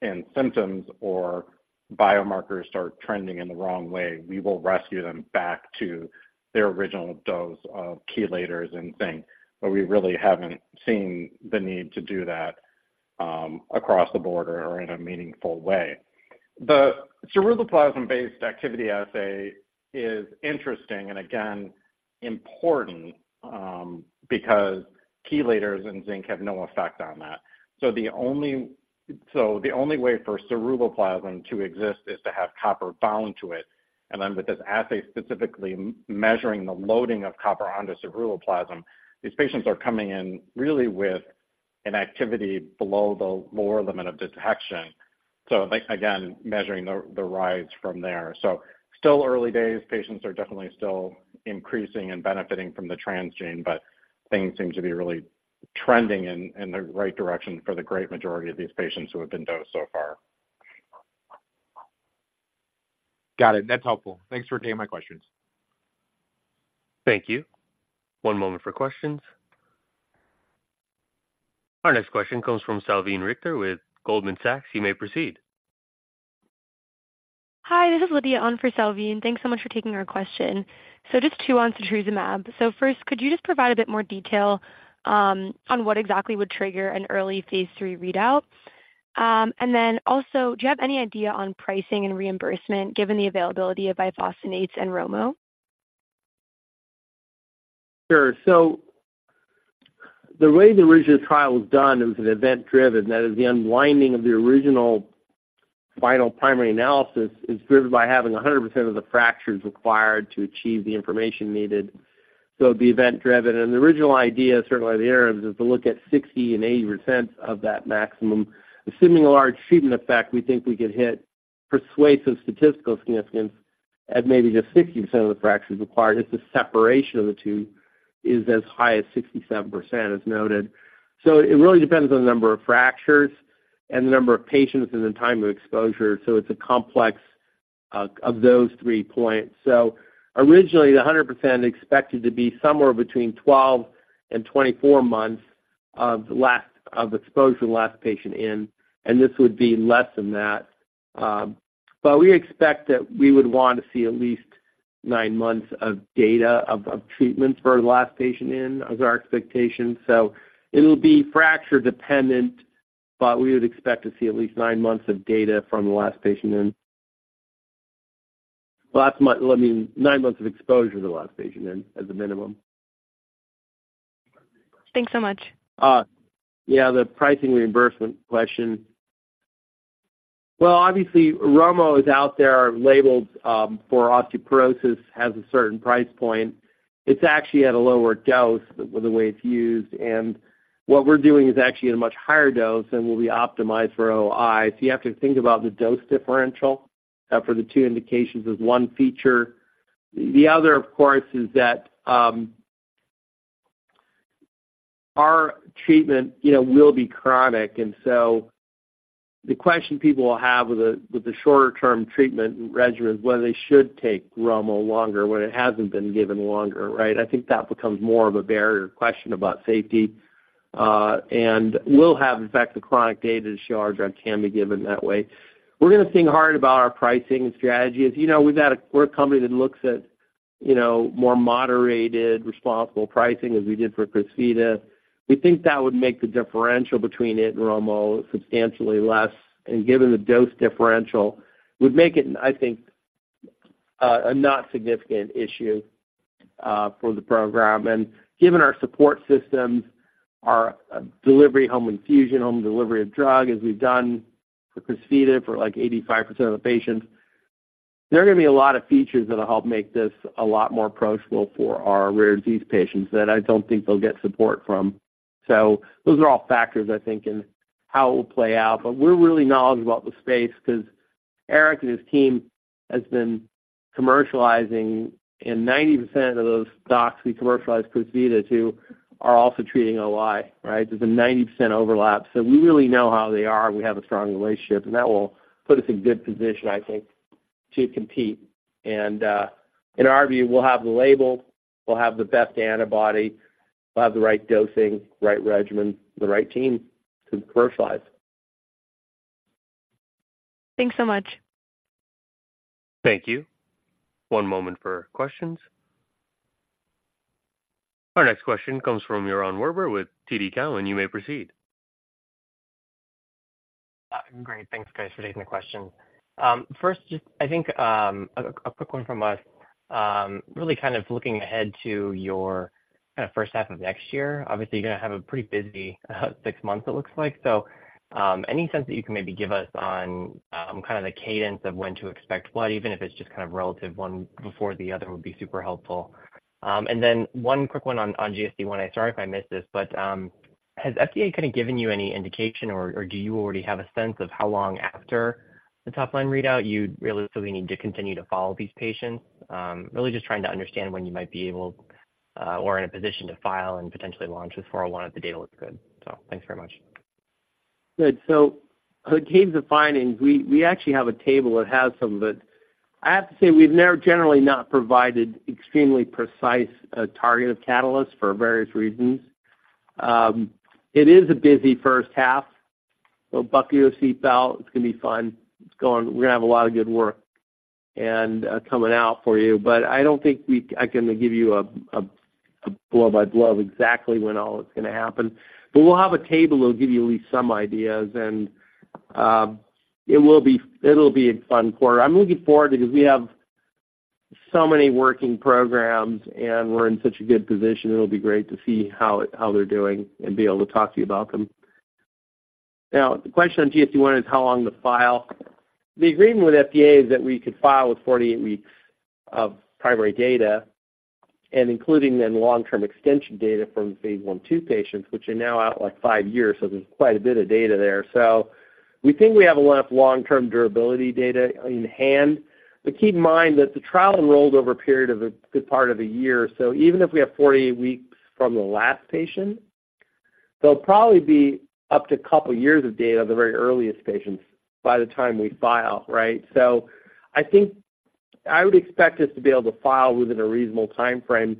and symptoms or biomarkers start trending in the wrong way, we will rescue them back to their original dose of chelators and zinc. But we really haven't seen the need to do that across the board or in a meaningful way. The ceruloplasmin-based activity assay is interesting and again, important, because chelators and zinc have no effect on that. So the only way for ceruloplasmin to exist is to have copper bound to it. And then with this assay, specifically measuring the loading of copper onto ceruloplasmin, these patients are coming in really with an activity below the lower limit of detection. So again, measuring the rise from there. So still early days. Patients are definitely still increasing and benefiting from the transgene, but things seem to be really trending in the right direction for the great majority of these patients who have been dosed so far. Got it. That's helpful. Thanks for taking my questions. Thank you. One moment for questions. Our next question comes from Salveen Richter with Goldman Sachs. You may proceed. Hi, this is Lydia on for Salveen, and thanks so much for taking our question. So just two on setrusumab. First, could you just provide a bit more detail on what exactly would trigger an early Phase III readout? And then also, do you have any idea on pricing and reimbursement, given the availability of bisphosphonates and Romo? Sure. So the way the original trial was done, it was an event-driven. That is, the unwinding of the original final primary analysis is driven by having 100% of the fractures required to achieve the information needed. So the event-driven and the original idea, certainly the areas, is to look at 60 and 80% of that maximum. Assuming a large treatment effect, we think we could hit persuasive statistical significance at maybe just 60% of the fractures required, if the separation of the two is as high as 67% as noted. So it really depends on the number of fractures and the number of patients and the time of exposure. So it's a complex of those three points. Originally, the 100% expected to be somewhere between 12-24 months of last, of exposure, the last patient in, and this would be less than that. But we expect that we would want to see at least nine months of data of, of treatment for the last patient in, as our expectation. It'll be fracture dependent, but we would expect to see at least 9 months of data from the last patient in. Nine months of exposure to the last patient in, as a minimum. Thanks so much. Yeah, the pricing reimbursement question. Well, obviously, Romo is out there, labeled for osteoporosis, has a certain price point. It's actually at a lower dose with the way it's used, and what we're doing is actually at a much higher dose and will be optimized for OI. So you have to think about the dose differential for the two indications as one feature. The other, of course, is that our treatment, you know, will be chronic. And so the question people will have with the shorter term treatment regimen is whether they should take Romo longer, when it hasn't been given longer, right? I think that becomes more of a barrier question about safety, and we'll have, in fact, the chronic data to show our drug can be given that way. We're gonna think hard about our pricing strategy. As you know, we're a company that looks at, you know, more moderated, responsible pricing, as we did for Crysvita. We think that would make the differential between it and Romo substantially less, and given the dose differential, would make it, I think, a not significant issue, for the program. And given our support systems, our delivery, home infusion, home delivery of drug, as we've done for Crysvita, for, like, 85% of the patients, there are gonna be a lot of features that'll help make this a lot more approachable for our rare disease patients that I don't think they'll get support from. So those are all factors, I think, in how it will play out. But we're really knowledgeable about the space because Erik and his team has been commercializing, and 90% of those docs we commercialize Crysvita to are also treating OI, right? There's a 90% overlap. So we really know how they are. We have a strong relationship, and that will put us in good position, I think, to compete. And, in our view, we'll have the label, we'll have the best antibody, we'll have the right dosing, right regimen, the right team to commercialize. Thanks so much. Thank you. One moment for questions. Our next question comes from Yaron Werber with TD Cowen. You may proceed. Great. Thanks, guys, for taking the question. First, just I think, a quick one from us. Really kind of looking ahead to your-... kind of first half of next year. Obviously, you're going to have a pretty busy, six months it looks like. So, any sense that you can maybe give us on, kind of the cadence of when to expect what, even if it's just kind of relative, one before the other, would be super helpful. And then one quick one on, on GTX-102. I'm sorry if I missed this, but, has FDA kind of given you any indication, or, or do you already have a sense of how long after the top line readout you'd realistically need to continue to follow these patients? Really just trying to understand when you might be able, or in a position to file and potentially launch with DTX401 if the data looks good. So thanks very much. Good. So in terms of findings, we actually have a table that has some of it. I have to say, we've never generally not provided extremely precise target of catalysts for various reasons. It is a busy first half, so buckle your seatbelt. It's gonna be fun. It's going-- We're gonna have a lot of good work and coming out for you, but I don't think we-- I can give you a blow-by-blow of exactly when all it's gonna happen. But we'll have a table that will give you at least some ideas, and it will be, it'll be a fun quarter. I'm looking forward to it because we have so many working programs, and we're in such a good position. It'll be great to see how they're doing and be able to talk to you about them. Now, the question on GTX-102 is how long to file. The agreement with FDA is that we could file with 48 weeks of primary data and including then long-term extension data from Phase II, two patients, which are now out, like, five years. So there's quite a bit of data there. So we think we have enough long-term durability data in hand. But keep in mind that the trial enrolled over a period of a good part of a year. So even if we have 48 weeks from the last patient, they'll probably be up to a couple of years of data, the very earliest patients, by the time we file, right? So I think I would expect us to be able to file within a reasonable timeframe.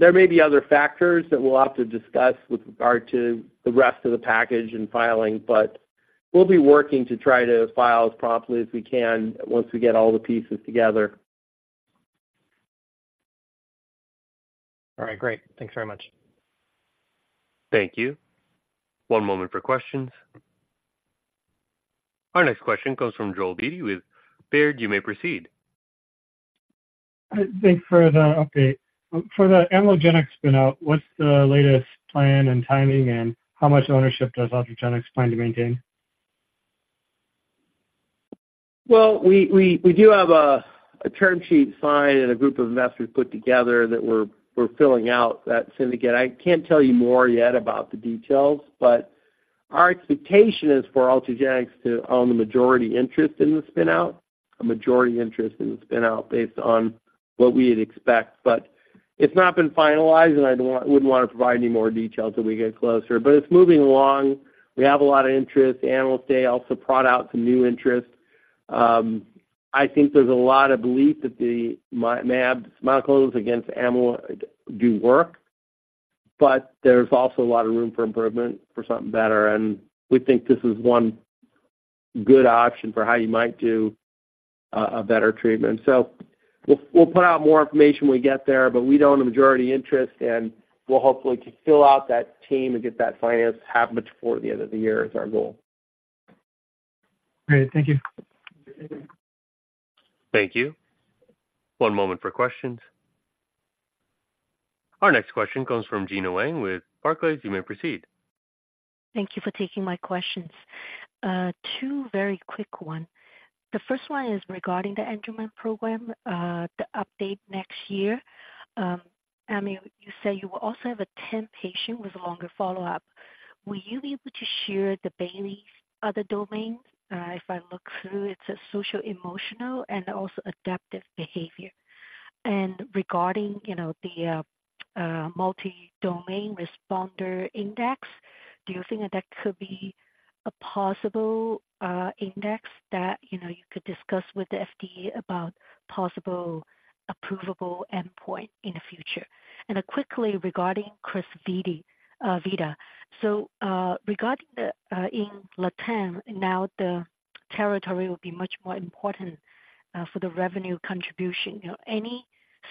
There may be other factors that we'll have to discuss with regard to the rest of the package and filing, but we'll be working to try to file as promptly as we can once we get all the pieces together. All right, great. Thanks very much. Thank you. One moment for questions. Our next question comes from Joel Beatty with Baird. You may proceed. Thanks for the update. For the Amylogenyx spinout, what's the latest plan and timing, and how much ownership does Ultragenyx plan to maintain? Well, we do have a term sheet signed and a group of investors put together that we're filling out that syndicate. I can't tell you more yet about the details, but our expectation is for Ultragenyx to own the majority interest in the spinout, a majority interest in the spinout based on what we'd expect. But it's not been finalized, and I don't want—I wouldn't want to provide any more details until we get closer, but it's moving along. We have a lot of interest. The animal study also brought out some new interest. I think there's a lot of belief that the mAb, monoclonals against amyloid do work, but there's also a lot of room for improvement for something better, and we think this is one good option for how you might do a better treatment. We'll put out more information when we get there, but we own the majority interest, and we'll hopefully fill out that team and get that financed halfway before the end of the year. That's our goal. Great. Thank you. Thank you. One moment for questions. Our next question comes from Gena Wang with Barclays. You may proceed. Thank you for taking my questions. Two very quick one. The first one is regarding the Angelman program, the update next year. I mean, you say you will also have a 10-patient with a longer follow-up. Will you be able to share the Bayley, other domains? If I look through, it says social, emotional, and also adaptive behavior. And regarding, you know, the multi-domain responder index, do you think that that could be a possible index that, you know, you could discuss with the FDA about possible approvable endpoint in the future? And quickly, regarding Crysvita. So, regarding the in Latin America, now the territory will be much more important for the revenue contribution. You know, any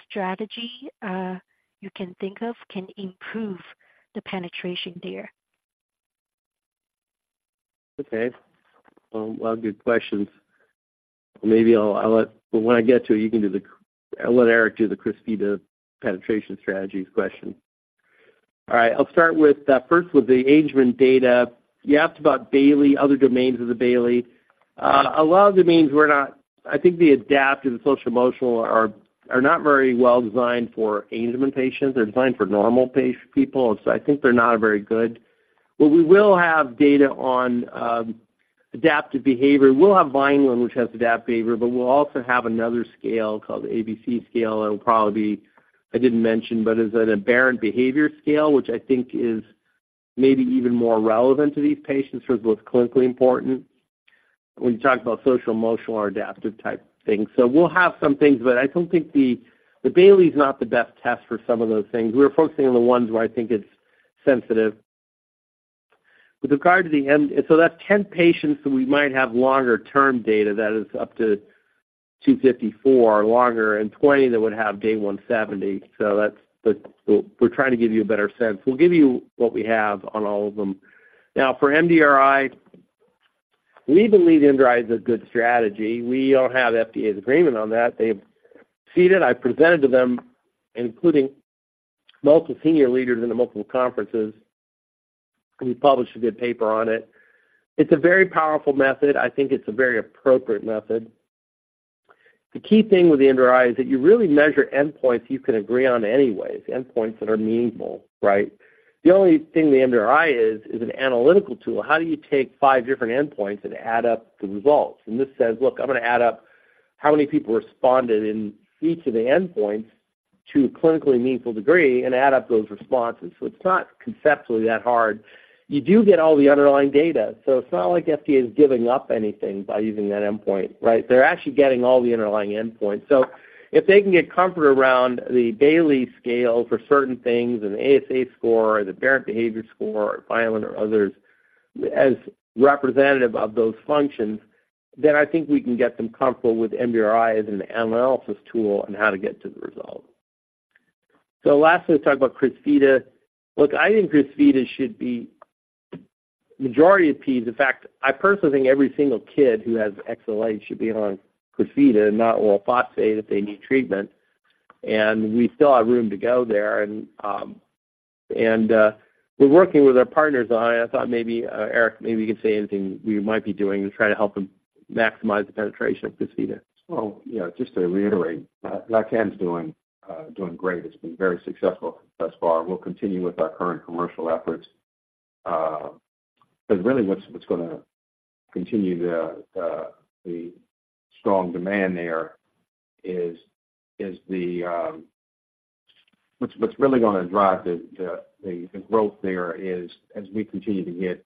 strategy you can think of can improve the penetration there? Okay. A lot of good questions. Maybe I'll let... But when I get to it, you can do the-- I'll let Erik do the Crysvita penetration strategies question. All right, I'll start with the first with the engagement data. You asked about Bayley, other domains of the Bayley. A lot of domains were not-- I think the adaptive and social emotional are not very well designed for Angelman patients. They're designed for normal pace people, so I think they're not a very good... But we will have data on adaptive behavior. We'll have Vineland, which has adaptive behavior, but we'll also have another scale called the ABC scale. It'll probably be, I didn't mention, but it's an Aberrant Behavior Scale, which I think is maybe even more relevant to these patients for both clinically important when you talk about social, emotional, or adaptive type things. So we'll have some things, but I don't think the, the Bayley is not the best test for some of those things. We're focusing on the ones where I think it's sensitive. With regard to the end, so that's 10 patients, so we might have longer-term data that is up to 254 longer and 20 that would have Day 170. So that's the- we're trying to give you a better sense. We'll give you what we have on all of them. Now, for MDRI- We believe the MDRI is a good strategy. We don't have FDA's agreement on that. They've seen it. I presented to them, including multiple senior leaders in the multiple conferences. We published a good paper on it. It's a very powerful method. I think it's a very appropriate method. The key thing with the MDRI is that you really measure endpoints you can agree on anyways, endpoints that are meaningful, right? The only thing the MDRI is, is an analytical tool. How do you take five different endpoints and add up the results? This says, look, I'm gonna add up how many people responded in each of the endpoints to a clinically meaningful degree and add up those responses. It's not conceptually that hard. You do get all the underlying data, so it's not like FDA is giving up anything by using that endpoint, right? They're actually getting all the underlying endpoints. So if they can get comfort around the Bayley Scales for certain things, and the AS score, or the Aberrant Behavior Checklist, or Vineland or others, as representative of those functions, then I think we can get them comfortable with MDRI as an analysis tool on how to get to the result. So lastly, let's talk about Crysvita. Look, I think Crysvita should be majority of peds. In fact, I personally think every single kid who has XLH should be on Crysvita, not oral phosphate, if they need treatment, and we still have room to go there. And we're working with our partners on it. I thought maybe, Eric, maybe you could say anything we might be doing to try to help them maximize the penetration of Crysvita. Well, yeah, just to reiterate, Crysvita's doing great. It's been very successful thus far, and we'll continue with our current commercial efforts. But really, what's gonna continue the strong demand there is the... What's really gonna drive the growth there is as we continue to get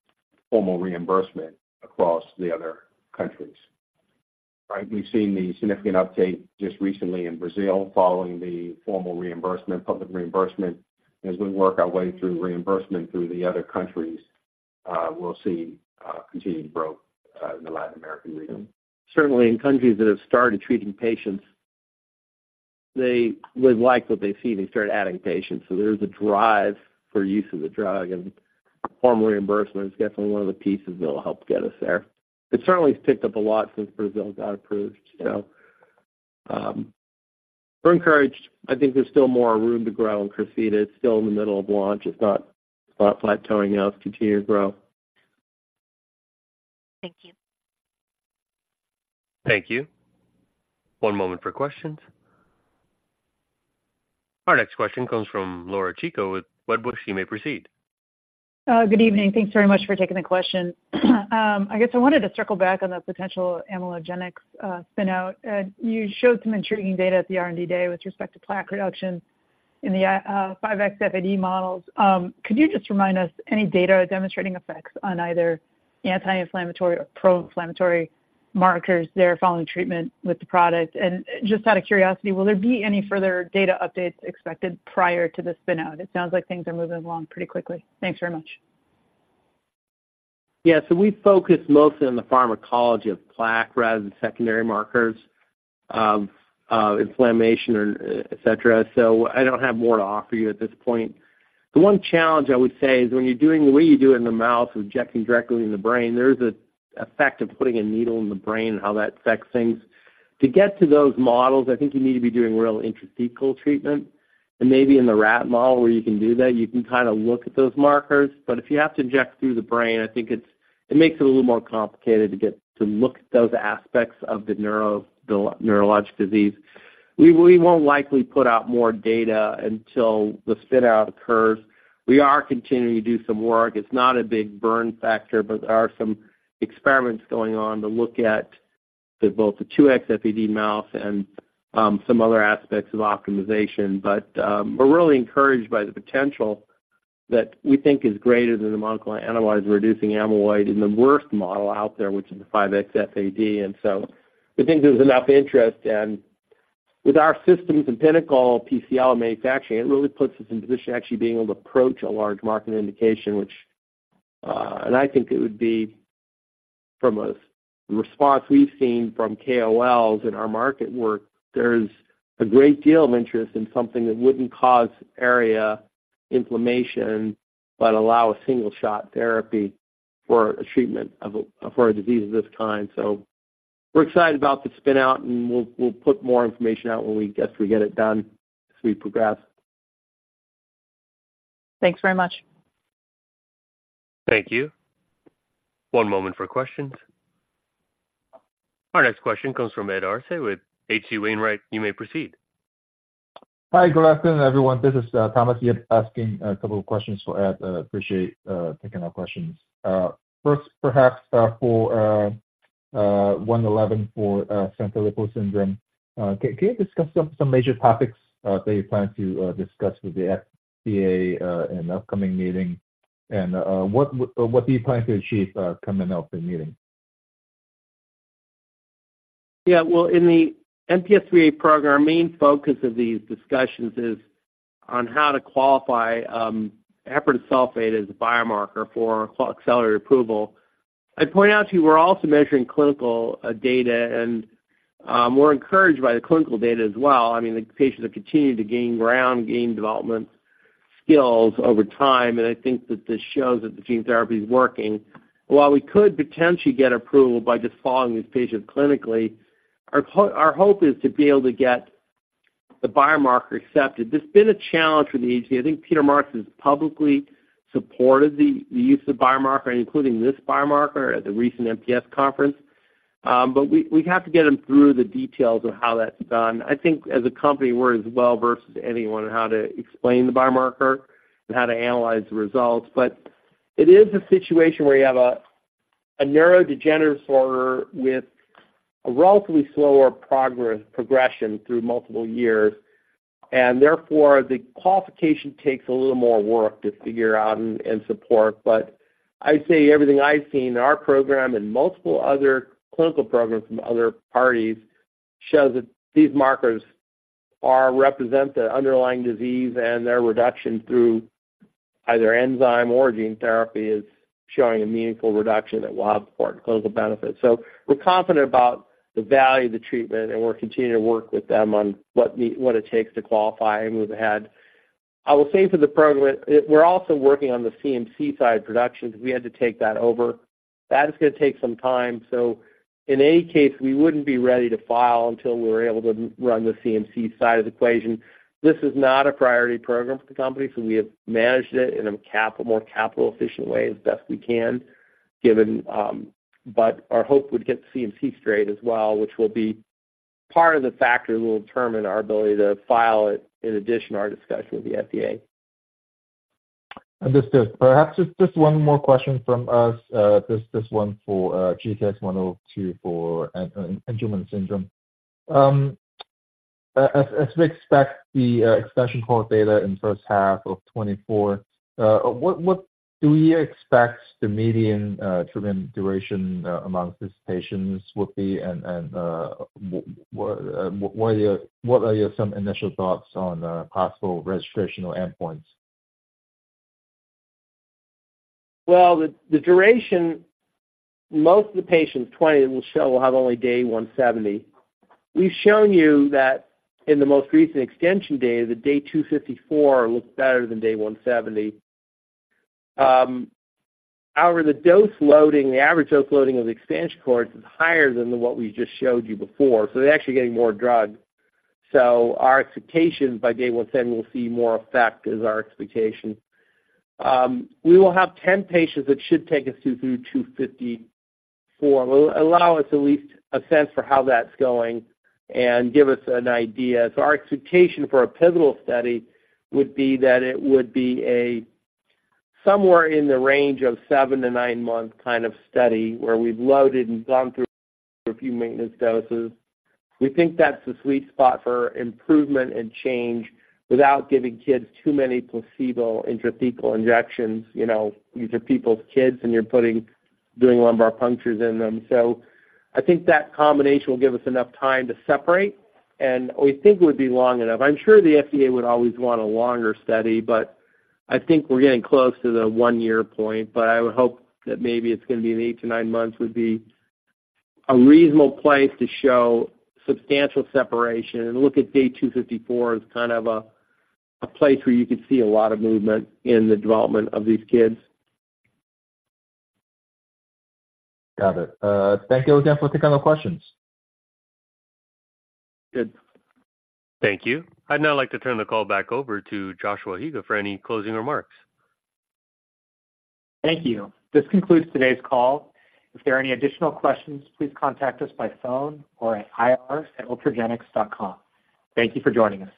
formal reimbursement across the other countries, right? We've seen the significant uptake just recently in Brazil following the formal reimbursement, public reimbursement. As we work our way through reimbursement through the other countries, we'll see continued growth in the Latin American region. Certainly, in countries that have started treating patients, they would like what they see, they start adding patients. So there is a drive for use of the drug and formal reimbursement is definitely one of the pieces that will help get us there. It certainly has picked up a lot since Brazil got approved. So, we're encouraged. I think there's still more room to grow in Crysvita. It's still in the middle of launch. It's not flattening out, continue to grow. Thank you. Thank you. One moment for questions. Our next question comes from Laura Chico with Wedbush. You may proceed. Good evening. Thanks very much for taking the question. I guess I wanted to circle back on the potential Amylogenyx spinout. You showed some intriguing data at the R&D Day with respect to plaque reduction in the 5xFAD models. Could you just remind us any data demonstrating effects on either anti-inflammatory or pro-inflammatory markers there following treatment with the product? And just out of curiosity, will there be any further data updates expected prior to the spinout? It sounds like things are moving along pretty quickly. Thanks very much. Yeah, so we focus mostly on the pharmacology of plaque rather than secondary markers of inflammation or et cetera, so I don't have more to offer you at this point. The one challenge I would say is when you're doing the way you do it in the mouse, injecting directly in the brain, there is an effect of putting a needle in the brain and how that affects things. To get to those models, I think you need to be doing real intracerebral treatment. And maybe in the rat model where you can do that, you can kinda look at those markers. But if you have to inject through the brain, I think it makes it a little more complicated to get to look at those aspects of the neurologic disease. We won't likely put out more data until the spin out occurs. We are continuing to do some work. It's not a big burn factor, but there are some experiments going on to look at both the 2xFAD mouse and some other aspects of optimization. But we're really encouraged by the potential that we think is greater than the monoclonal antibodies, reducing amyloid in the worst model out there, which is the 5xFAD. And so we think there's enough interest, and with our systems and Pinnacle platform manufacturing, it really puts us in position to actually being able to approach a large market indication, which and I think it would be from a response we've seen from KOLs in our market work, there's a great deal of interest in something that wouldn't cause ARIA inflammation, but allow a single shot therapy for a treatment of a, for a disease of this kind. We're excited about the spin out, and we'll put more information out when we get to get it done as we progress. Thanks very much. Thank you. One moment for questions. Our next question comes from Ed Arce with H.C. Wainwright. You may proceed. Hi, good afternoon, everyone. This is Thomas Yip asking a couple of questions for Ed. Appreciate taking our questions. First, perhaps, for UX111 for Sanfilippo syndrome. Can you discuss some major topics that you plan to discuss with the FDA in the upcoming meeting? And, what do you plan to achieve coming out the meeting? Yeah, well, in the MPS IIIA program, our main focus of these discussions is on how to qualify heparan sulfate as a biomarker for accelerated approval. I'd point out to you, we're also measuring clinical data, and we're encouraged by the clinical data as well. I mean, the patients have continued to gain ground, gain development skills over time, and I think that this shows that the gene therapy is working. While we could potentially get approval by just following these patients clinically, our hope is to be able to get the biomarker accepted. There's been a challenge for the agency. I think Peter Marks has publicly supported the use of biomarker, including this biomarker at the recent MPS conference. But we, we'd have to get him through the details of how that's done. I think as a company, we're as well versed as anyone on how to explain the biomarker and how to analyze the results. But it is a situation where you have a neurodegenerative disorder with a relatively slower progression through multiple years, and therefore the qualification takes a little more work to figure out and support. But I'd say everything I've seen in our program and multiple other clinical programs from other parties shows that these markers represent the underlying disease, and their reduction through either enzyme or gene therapy is showing a meaningful reduction that will have important clinical benefits. So we're confident about the value of the treatment, and we're continuing to work with them on what it takes to qualify and move ahead. I will say for the program, it... We're also working on the CMC side of production because we had to take that over. That is gonna take some time. So in any case, we wouldn't be ready to file until we were able to run the CMC side of the equation. This is not a priority program for the company, so we have managed it in a more capital-efficient way as best we can, given. But our hope would get the CMC straight as well, which will be part of the factor that will determine our ability to file it in addition to our discussion with the FDA. Just perhaps one more question from us, just this one for GTX-102 for Angelman syndrome. As we expect the extension cohort data in first half of 2024, what do you expect the median treatment duration among these patients will be? And what are your some initial thoughts on possible registrational endpoints? Well, the duration, most of the patients, 20, and we'll show we'll have only day 170. We've shown you that in the most recent extension data, the Day 254 looks better than Day 170. However, the dose loading, the average dose loading of the expansion cohorts is higher than what we just showed you before, so they're actually getting more drug. So our expectations by Day 170, we'll see more effect, is our expectation. We will have 10 patients that should take us through to 254. Will allow us at least a sense for how that's going and give us an idea. So our expectation for a pivotal study would be that it would be a somewhere in the range of 7-9-month kind of study, where we've loaded and gone through a few maintenance doses. We think that's the sweet spot for improvement and change without giving kids too many placebo intrathecal injections. You know, these are people's kids, and you're doing lumbar punctures in them. So I think that combination will give us enough time to separate, and we think it would be long enough. I'm sure the FDA would always want a longer study, but I think we're getting close to the one-year point. But I would hope that maybe it's gonna be eight-nine months, would be a reasonable place to show substantial separation and look at Day 254 as kind of a place where you could see a lot of movement in the development of these kids. Got it. Thank you again for taking our questions. Good. Thank you. I'd now like to turn the call back over to Joshua Higa for any closing remarks. Thank you. This concludes today's call. If there are any additional questions, please contact us by phone or at ir@ultragenyx.com. Thank you for joining us.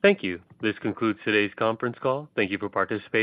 Thank you. This concludes today's conference call. Thank you for participating.